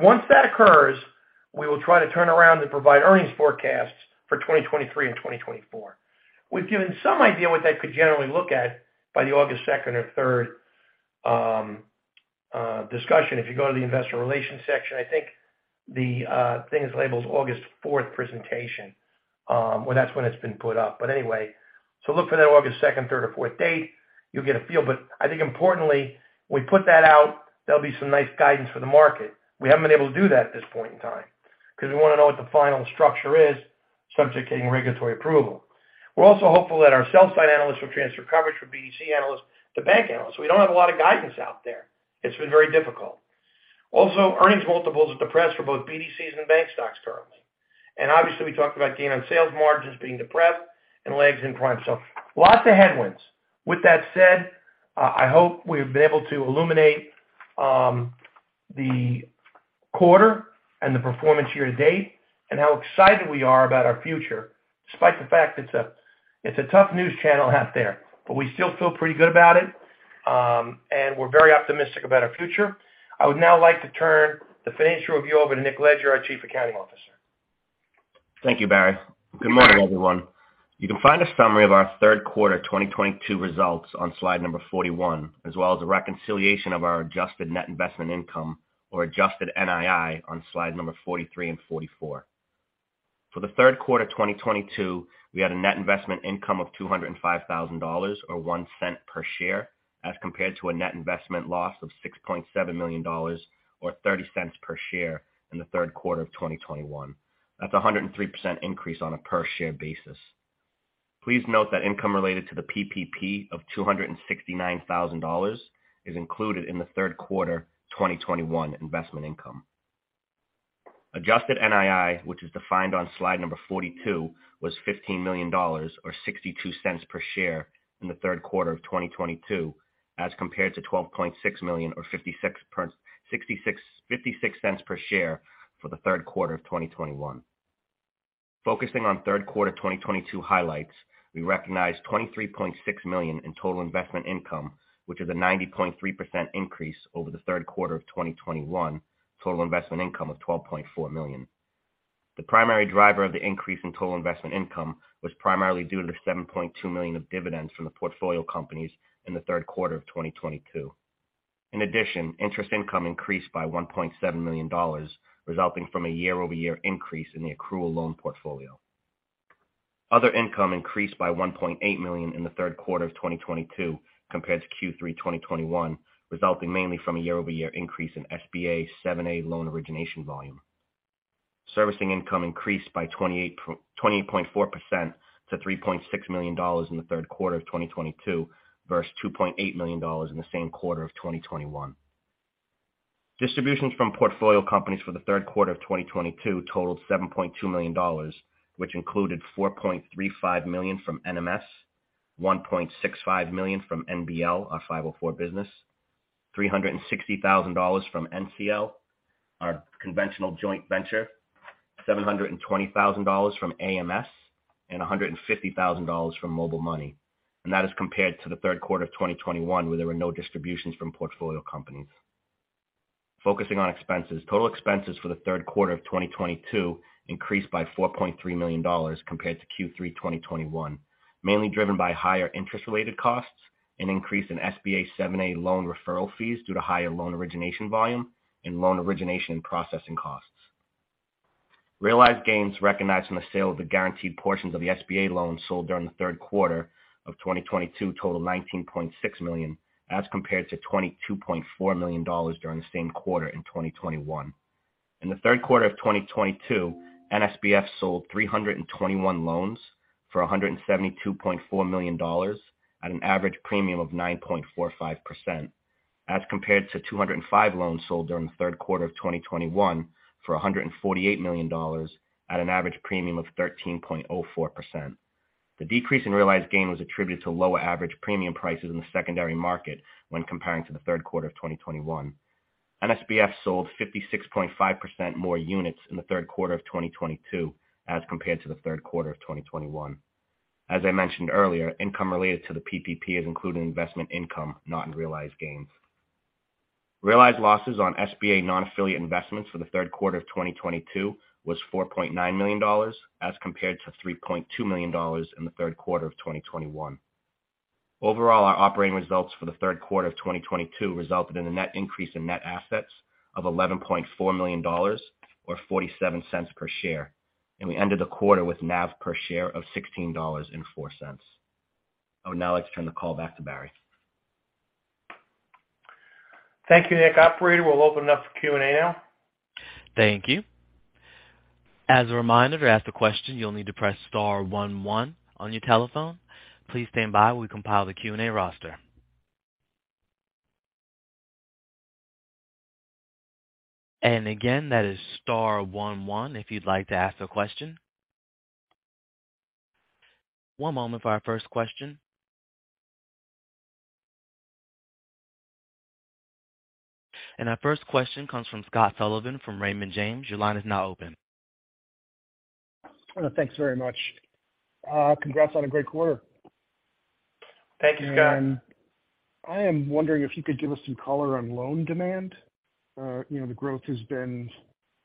Once that occurs, we will try to turn around and provide earnings forecasts for 2023 and 2024. We've given some idea what that could generally look like by the August 2nd or 3rd discussion. If you go to the investor relations section, I think the thing is labeled August f4th presentation. Well, that's when it's been put up. Anyway, look for that August 2nd, 3rd, 4th date, you'll get a feel. I think importantly, we put that out. There'll be some nice guidance for the market. We haven't been able to do that at this point in time because we wanna know what the final structure is subject to getting regulatory approval. We're also hopeful that our sell-side analysts will transfer coverage from BDC analysts to bank analysts. We don't have a lot of guidance out there. It's been very difficult. Also, earnings multiples are depressed for both BDCs and bank stocks currently. Obviously, we talked about gain on sale margins being depressed and lags in prime. Lots of headwinds. With that said, I hope we've been able to illuminate the quarter and the performance year to date and how excited we are about our future despite the fact it's a tough environment out there. We still feel pretty good about it, and we're very optimistic about our future. I would now like to turn the financial review over to Nick Leger, our Chief Accounting Officer. Thank you, Barry. Good morning, everyone. You can find a summary of our Q3 2022 results on slide number 41, as well as a reconciliation of our adjusted net investment income or adjusted NII on slide number 43 and 44. For the Q3 of 2022, we had a net investment income of $205,000 or $0.01 per share, as compared to a net investment loss of $6.7 million or $0.30 per share in the Q3 of 2021. That's a 103% increase on a per-share basis. Please note that income related to the PPP of $269,000 is included in the Q3 2021 investment income. Adjusted NII, which is defined on slide number 42, was $15 million or $0.62 per share in the Q3 of 2022, as compared to $12.6 million or $0.56 per share for the Q3 of 2021. Focusing on Q3 2022 highlights, we recognized $23.6 million in total investment income, which is a 90.3% increase over the Q3 of 2021, total investment income of $12.4 million. The primary driver of the increase in total investment income was primarily due to the $7.2 million of dividends from the portfolio companies in the Q3 of 2022. In addition, interest income increased by $1.7 million, resulting from a year-over-year increase in the accrual loan portfolio. Other income increased by $1.8 million in the Q3 of 2022 compared to Q3 2021, resulting mainly from a year-over-year increase in SBA 7 loan origination volume. Servicing income increased by 20.4% to $3.6 million in the Q3 of 2022 versus $2.8 million in the same quarter of 2021. Distributions from portfolio companies for the Q3 of 2022 totaled $7.2 million, which included $4.35 million from NSBF, $1.65 million from NBL, our 504 business, $360,000 from NCL, our conventional joint venture, $720,000 from AMS, and $150,000 from Mobil Money. That is compared to the Q3 of 2021, where there were no distributions from portfolio companies. Focusing on expenses. Total expenses for the Q3 of 2022 increased by $4.3 million compared to Q3 2021, mainly driven by higher interest-related costs, an increase in SBA 7 loan referral fees due to higher loan origination volume, and loan origination and processing costs. Realized gains recognized from the sale of the guaranteed portions of the SBA loans sold during the Q3 of 2022 totaled $19.6 million, as compared to $22.4 million during the same quarter in 2021. In the Q3 of 2022, NSBF sold 321 loans for $172.4 million at an average premium of 9.45%, as compared to 205 loans sold during the Q3 of 2021 for $148 million at an average premium of 13.04%. The decrease in realized gain was attributed to lower average premium prices in the secondary market when comparing to the Q3 of 2021. NSBF sold 56.5% more units in the Q3 of 2022 as compared to the Q3 of 2021. As I mentioned earlier, income related to the PPP is included in investment income, not in realized gains. Realized losses on SBA non-affiliate investments for the Q3 of 2022 was $4.9 million as compared to $3.2 million in the Q3 of 2021. Overall, our operating results for the Q3 of 2022 resulted in a net increase in net assets of $11.4 million or $0.47 per share, and we ended the quarter with NAV per share of $16.04. I would now like to turn the call back to Barry. Thank you, Nick. Operator, we'll open it up for Q&A now. Thank you. As a reminder, to ask a question, you'll need to press star one one on your telephone. Please stand by while we compile the Q&A roster. Again, that is star one one if you'd like to ask a question. One moment for our first question. Our first question comes from Scott Sullivan from Raymond James. Your line is now open. Thanks very much. Congrats on a great quarter. Thank you, Scott. I am wondering if you could give us some color on loan demand. You know, the growth has been,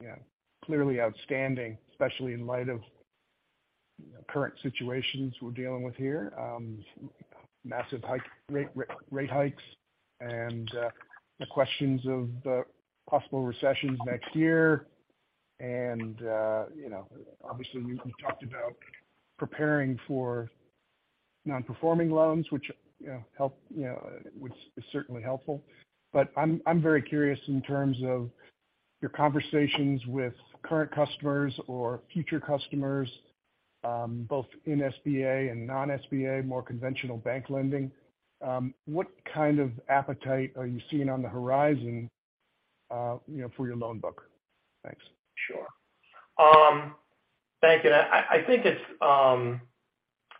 you know, clearly outstanding, especially in light of current situations we're dealing with here. Massive rate hikes, the questions of the possible recessions next year. You know, obviously, you talked about preparing for non-performing loans, which, you know, help, you know, which is certainly helpful. But I'm very curious in terms of your conversations with current customers or future customers, both in SBA and non-SBA, more conventional bank lending. What kind of appetite are you seeing on the horizon, you know, for your loan book? Thanks. Sure. Thank you. I think it's.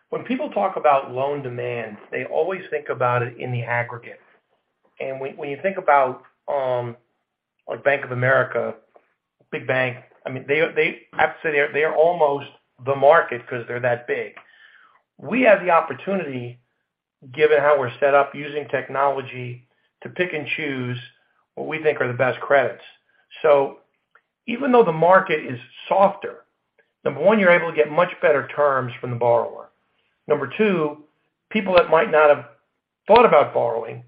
When people talk about loan demand, they always think about it in the aggregate. When you think about, like Bank of America, big bank, I mean, they, I have to say they're almost the market 'cause they're that big. We have the opportunity, given how we're set up using technology, to pick and choose what we think are the best credits. Even though the market is softer, number one, you're able to get much better terms from the borrower. Number two, people that might not have thought about borrowing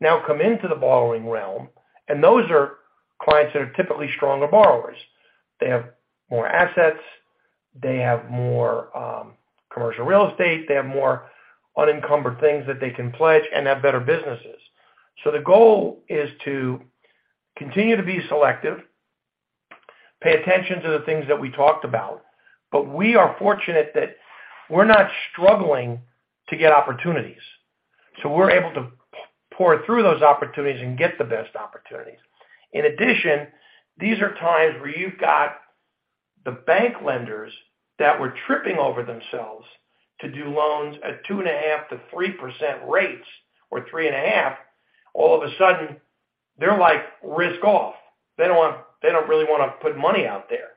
now come into the borrowing realm, and those are clients that are typically stronger borrowers. They have more assets, they have more commercial real estate, they have more unencumbered things that they can pledge and have better businesses. The goal is to continue to be selective, pay attention to the things that we talked about. We are fortunate that we're not struggling to get opportunities, so we're able to pore through those opportunities and get the best opportunities. In addition, these are times where you've got the bank lenders that were tripping over themselves to do loans at 2.5%-3% rates or 3.5%, all of a sudden they're like, risk off. They don't really wanna put money out there.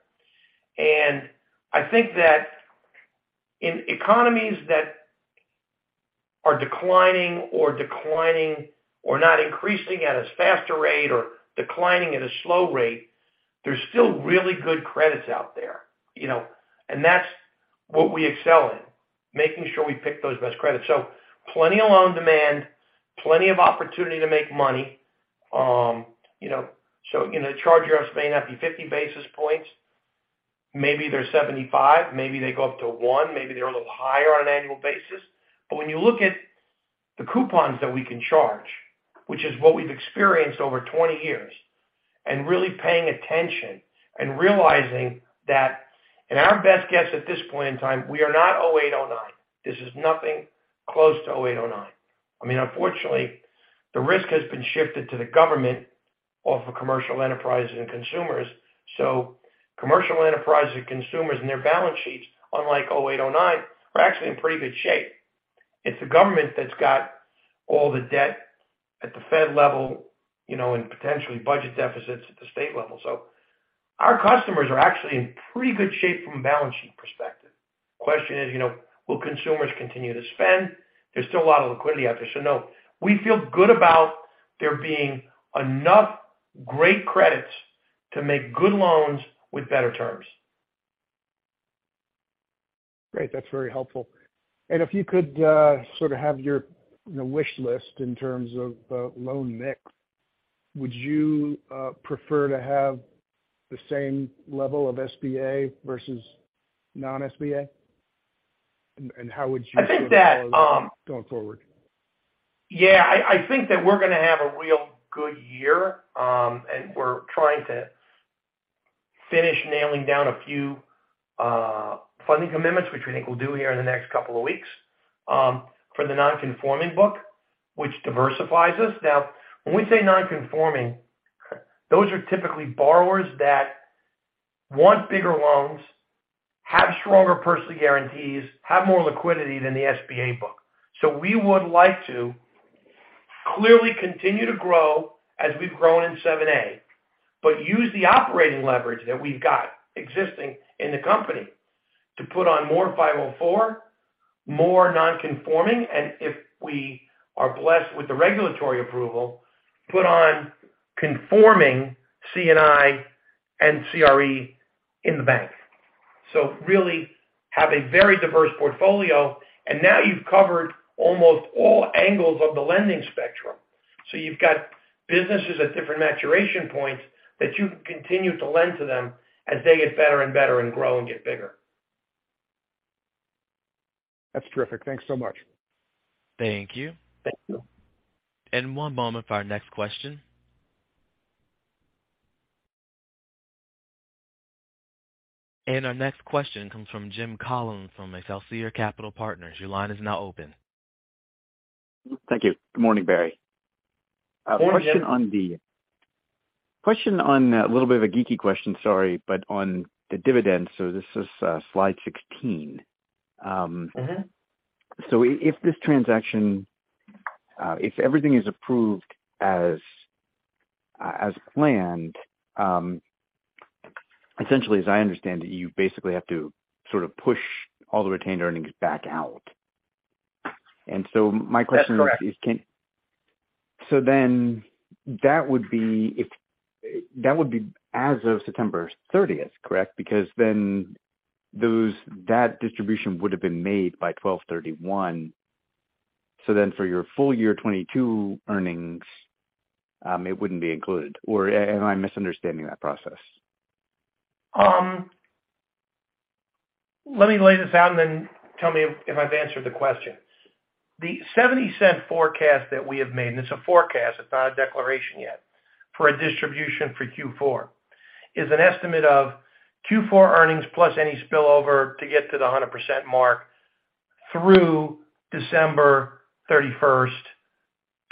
I think that in economies that are declining or not increasing at as fast a rate or declining at a slow rate, there's still really good credits out there, you know. That's what we excel in, making sure we pick those best credits. Plenty of loan demand, plenty of opportunity to make money. You know, so, you know, the charge-offs may not be 50 basis points. Maybe they're 75 basis point, maybe they go up to one, maybe they're a little higher on an annual basis. When you look at the coupons that we can charge, which is what we've experienced over 20 years, and really paying attention and realizing that. Our best guess at this point in time, we are not 2008, 2009. This is nothing close to 2008, 2009. I mean, unfortunately, the risk has been shifted to the government off of commercial enterprises and consumers. Commercial enterprises and consumers and their balance sheets, unlike 2008, 2009, are actually in pretty good shape. It's the government that's got all the debt at the Fed level, you know, and potentially budget deficits at the state level. Our customers are actually in pretty good shape from a balance sheet perspective. Question is, you know, will consumers continue to spend? There's still a lot of liquidity out there. No, we feel good about there being enough great credits to make good loans with better terms. Great. That's very helpful. If you could sort of have your wish list in terms of the loan mix, would you prefer to have the same level of SBA versus non-SBA? How would you I think that. Going forward? Yeah. I think that we're gonna have a real good year. We're trying to finish nailing down a few funding commitments, which we think we'll do here in the next couple of weeks for the non-conforming book, which diversifies us. Now, when we say non-conforming, those are typically borrowers that want bigger loans, have stronger personal guarantees, have more liquidity than the SBA book. We would like to clearly continue to grow as we've grown in 7(a), but use the operating leverage that we've got existing in the company to put on more 504, more non-conforming, and if we are blessed with the regulatory approval, put on conforming C&I and CRE in the bank. Really have a very diverse portfolio. Now you've covered almost all angles of the lending spectrum. You've got businesses at different maturation points that you can continue to lend to them as they get better and better and grow and get bigger. That's terrific. Thanks so much. Thank you. Thank you. One moment for our next question. Our next question comes from Jim Collins from Excelsior Capital Partners. Your line is now open. Thank you. Good morning, Barry. Good morning, Jim. Question on, a little bit of a geeky question, sorry, but on the dividends. This is slide 16. Mm-hmm. If this transaction, if everything is approved as planned, essentially as I understand it, you basically have to sort of push all the retained earnings back out. My question is. That's correct. That would be as of September thirtieth, correct? Because that distribution would have been made by 12/31. For your full year 2022 earnings, it wouldn't be included. Or am I misunderstanding that process? Let me lay this out and then tell me if I've answered the question. The $0.70 forecast that we have made, and it's a forecast, it's not a declaration yet, for a distribution for Q4, is an estimate of Q4 earnings plus any spillover to get to the 100% mark through December 31st,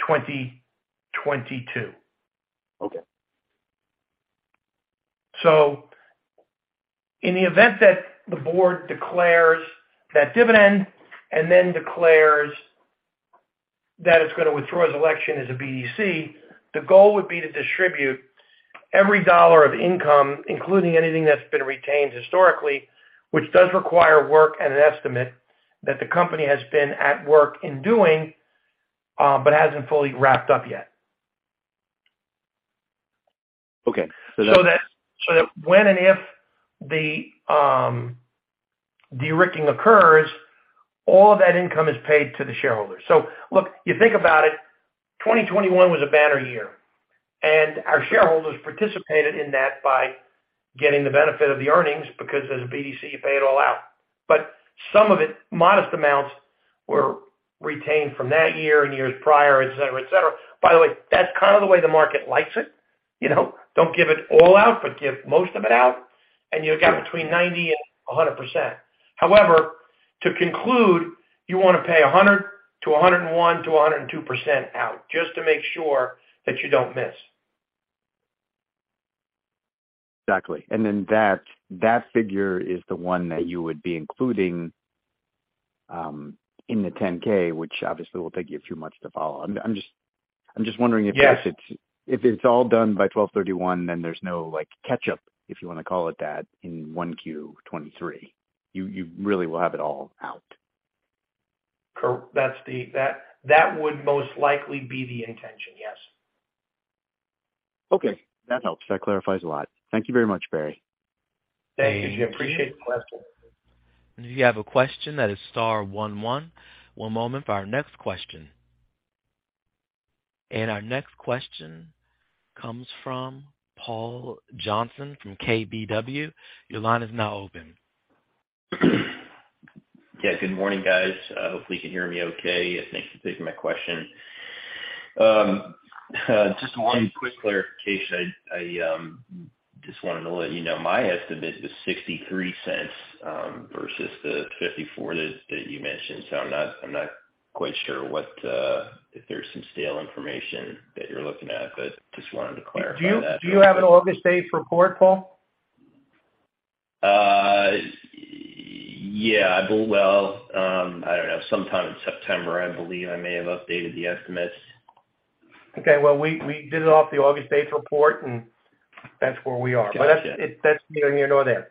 2022. Okay. In the event that the board declares that dividend and then declares that it's gonna withdraw its election as a BDC, the goal would be to distribute every dollar of income, including anything that's been retained historically, which does require work and an estimate that the company has been at work in doing, but hasn't fully wrapped up yet. Okay. That when and if the de-risking occurs, all of that income is paid to the shareholders. Look, you think about it, 2021 was a banner year, and our shareholders participated in that by getting the benefit of the earnings because as a BDC, you pay it all out. Some of it, modest amounts, were retained from that year and years prior, etc. By the way, that's kind of the way the market likes it. You know, don't give it all out, but give most of it out, and you'll get between 90% and 100%. However, to conclude, you wanna pay 100% to 101% to 102% out, just to make sure that you don't miss. Exactly. That figure is the one that you would be including in the 10-K, which obviously will take you a few months to file. I'm just wondering if. Yes. If it's all done by 12/31, then there's no, like, catch up, if you wanna call it that, in Q1 2023. You really will have it all out. That would most likely be the intention, yes. Okay. That helps. That clarifies a lot. Thank you very much, Barry. Thank you. Appreciate the question. If you have a question, that is star one one. One moment for our next question. Our next question comes from Paul Johnson from KBW. Your line is now open. Yeah, good morning, guys. Hopefully you can hear me okay. Thanks for taking my question. Just one quick clarification. I just wanted to let you know my estimate is $0.63 versus the $0.54 that you mentioned. I'm not quite sure what if there's some stale information that you're looking at, but just wanted to clarify that. Do you have an August 8th report, Paul? I don't know. Sometime in September, I believe I may have updated the estimates. Okay. Well, we did it off the August 8th report, and that's where we are. Gotcha. That's neither here nor there.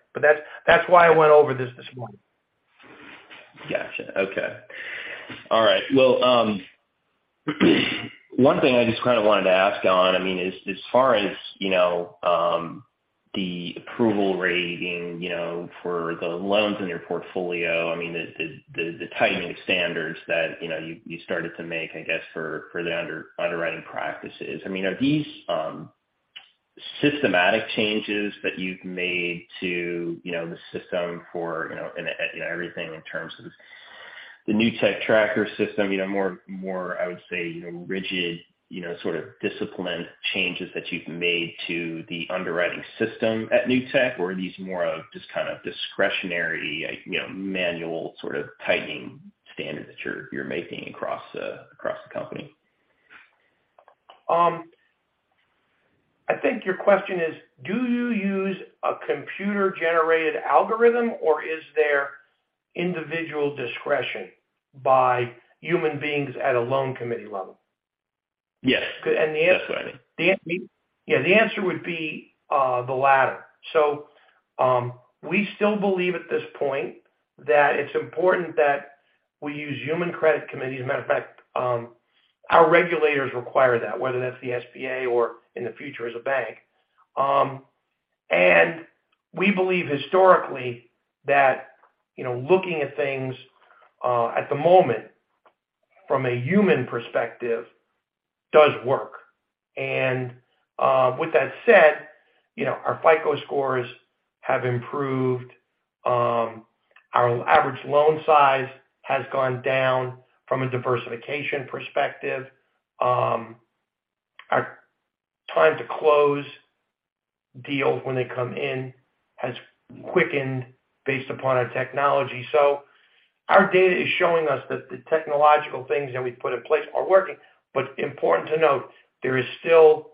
That's why I went over this morning. Gotcha. Okay. All right. Well, one thing I just kind of wanted to ask on, I mean, is as far as, you know, the approval rating, you know, for the loans in your portfolio, I mean, the tightening of standards that, you know, you started to make, I guess, for the underwriting practices. I mean, are these systematic changes that you've made to, you know, the system for, you know, everything in terms of the NewTracker system, you know, more rigid, you know, sort of disciplined changes that you've made to the underwriting system at Newtek, or are these more of just kind of discretionary, you know, manual sort of tightening standards that you're making across the company? I think your question is, do you use a computer-generated algorithm or is there individual discretion by human beings at a loan committee level? Yes. The answer- That's what I mean. Yeah, the answer would be the latter. We still believe at this point that it's important that we use human credit committees. As a matter of fact, our regulators require that, whether that's the SBA or in the future as a bank. We believe historically that, you know, looking at things at the moment from a human perspective does work. With that said, you know, our FICO scores have improved. Our average loan size has gone down from a diversification perspective. Our time to close deals when they come in has quickened based upon our technology. Our data is showing us that the technological things that we've put in place are working. Important to note, there is still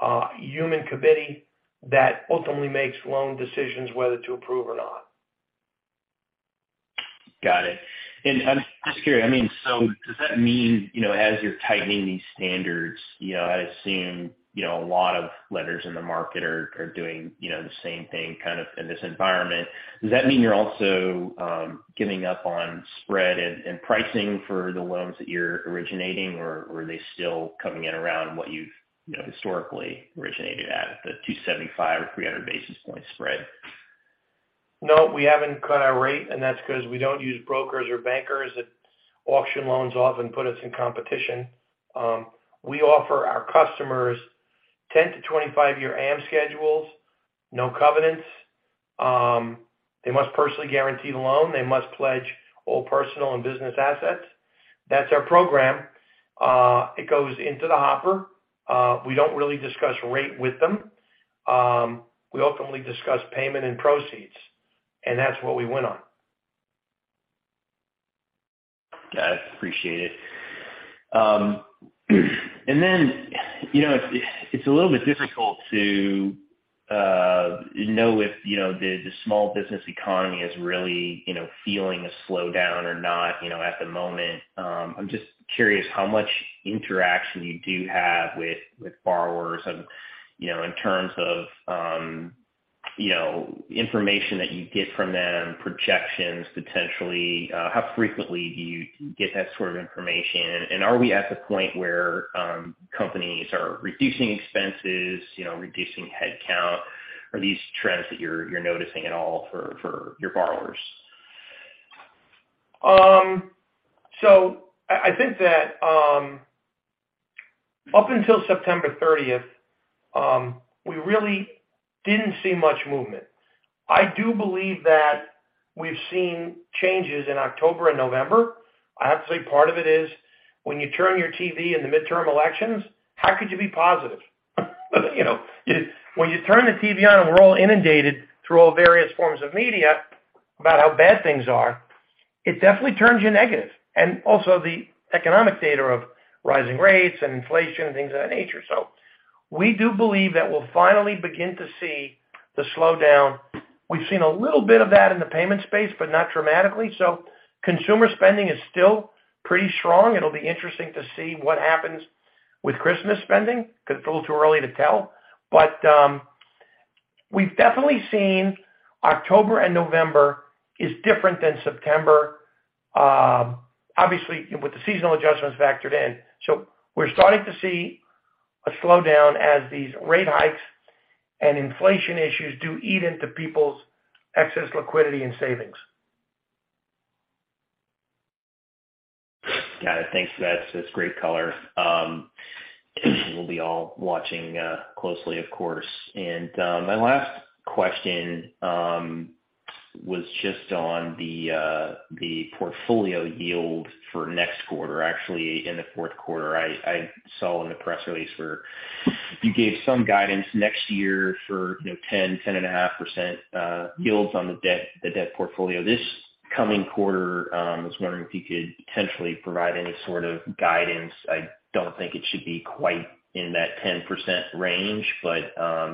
a human committee that ultimately makes loan decisions whether to approve or not. Got it. I'm just curious. I mean, does that mean, you know, as you're tightening these standards, you know, I assume, you know, a lot of lenders in the market are doing, you know, the same thing kind of in this environment. Does that mean you're also giving up on spread and pricing for the loans that you're originating, or are they still coming in around what you've, you know, historically originated at, the 275 or 300 basis point spread? No, we haven't cut our rate, and that's 'cause we don't use brokers or bankers that auction loans off and put us in competition. We offer our customers 10-25 year amortization schedules, no covenants. They must personally guarantee the loan. They must pledge all personal and business assets. That's our program. It goes into the hopper. We don't really discuss rate with them. We ultimately discuss payment and proceeds, and that's what we went on. Got it. Appreciate it. You know, it's a little bit difficult to know if you know the small business economy is really you know feeling a slowdown or not, you know, at the moment. I'm just curious how much interaction you do have with borrowers and you know in terms of you know information that you get from them, projections potentially. How frequently do you get that sort of information? Are we at the point where companies are reducing expenses, you know, reducing headcount? Are these trends that you're noticing at all for your borrowers? I think that up until September 30th we really didn't see much movement. I do believe that we've seen changes in October and November. I have to say part of it is when you turn on your TV during the midterm elections, how could you be positive? You know, when you turn the TV on and we're all inundated through all various forms of media about how bad things are, it definitely turns you negative. Also the economic data of rising rates and inflation and things of that nature. We do believe that we'll finally begin to see the slowdown. We've seen a little bit of that in the payment space, but not dramatically. Consumer spending is still pretty strong. It'll be interesting to see what happens with Christmas spending 'cause it's a little too early to tell. We've definitely seen October and November is different than September, obviously with the seasonal adjustments factored in. We're starting to see a slowdown as these rate hikes and inflation issues do eat into people's excess liquidity and savings. Got it. Thanks. That's great color. We'll be all watching closely, of course. My last question was just on the portfolio yield for next quarter. Actually in the Q4, I saw in the press release where you gave some guidance next year for, you know, 10-10.5% yields on the debt portfolio. This coming quarter, I was wondering if you could potentially provide any sort of guidance. I don't think it should be quite in that 10% range, but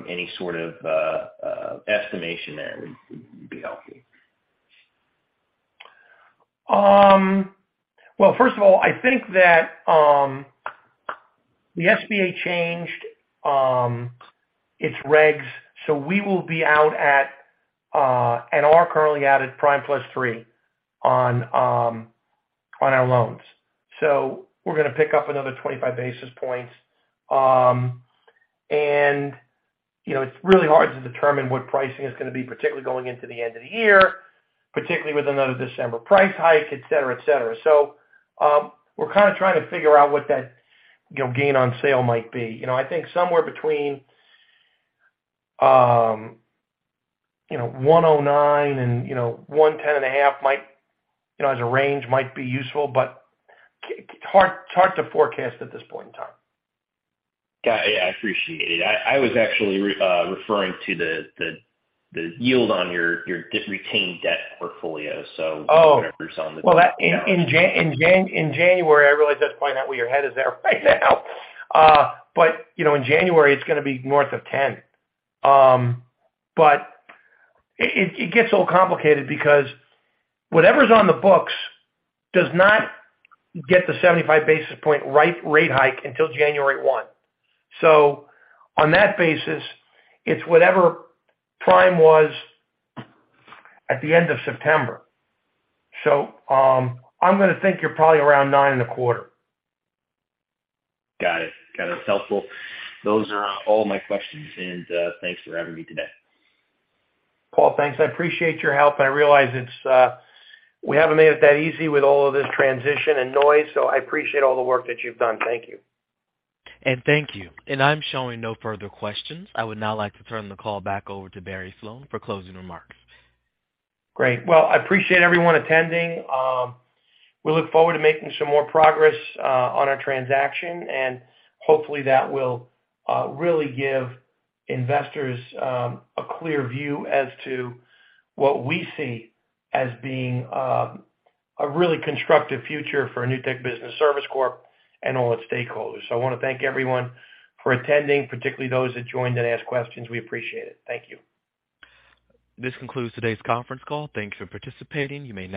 any sort of estimation there would be helpful. Well, first of all, I think that the SBA changed its regs, so we will be out at and are currently out at prime plus three on our loans. So we're gonna pick up another 25 basis points, and, you know, it's really hard to determine what pricing is gonna be, particularly going into the end of the year, particularly with another December price hike, etc., etc. So, we're kinda trying to figure out what that, you know, gain on sale might be. You know, I think somewhere between 109 and 110.5 might, you know, as a range might be useful, but hard to forecast at this point in time. Yeah, I appreciate it. I was actually referring to the yield on your retained debt portfolio, so- Oh. Whatever's on the- Well, that in January, I realize I have to point out where your head is at right now. You know, in January it's gonna be north of 10%. It gets a little complicated because whatever's on the books does not get the 75 basis points rate hike until January 1. On that basis, it's whatever prime was at the end of September. I'm gonna think you're probably around 9.25%. Got it. Okay, that's helpful. Those are all my questions. Thanks for having me today. Paul, thanks. I appreciate your help. I realize it's we haven't made it that easy with all of this transition and noise, so I appreciate all the work that you've done. Thank you. Thank you. I'm showing no further questions. I would now like to turn the call back over to Barry Sloane for closing remarks. Great. Well, I appreciate everyone attending. We look forward to making some more progress on our transaction and hopefully that will really give investors a clear view as to what we see as being a really constructive future for Newtek Business Services Corp and all its stakeholders. I wanna thank everyone for attending, particularly those that joined and asked questions. We appreciate it. Thank you. This concludes today's conference call. Thanks for participating. You may now disconnect.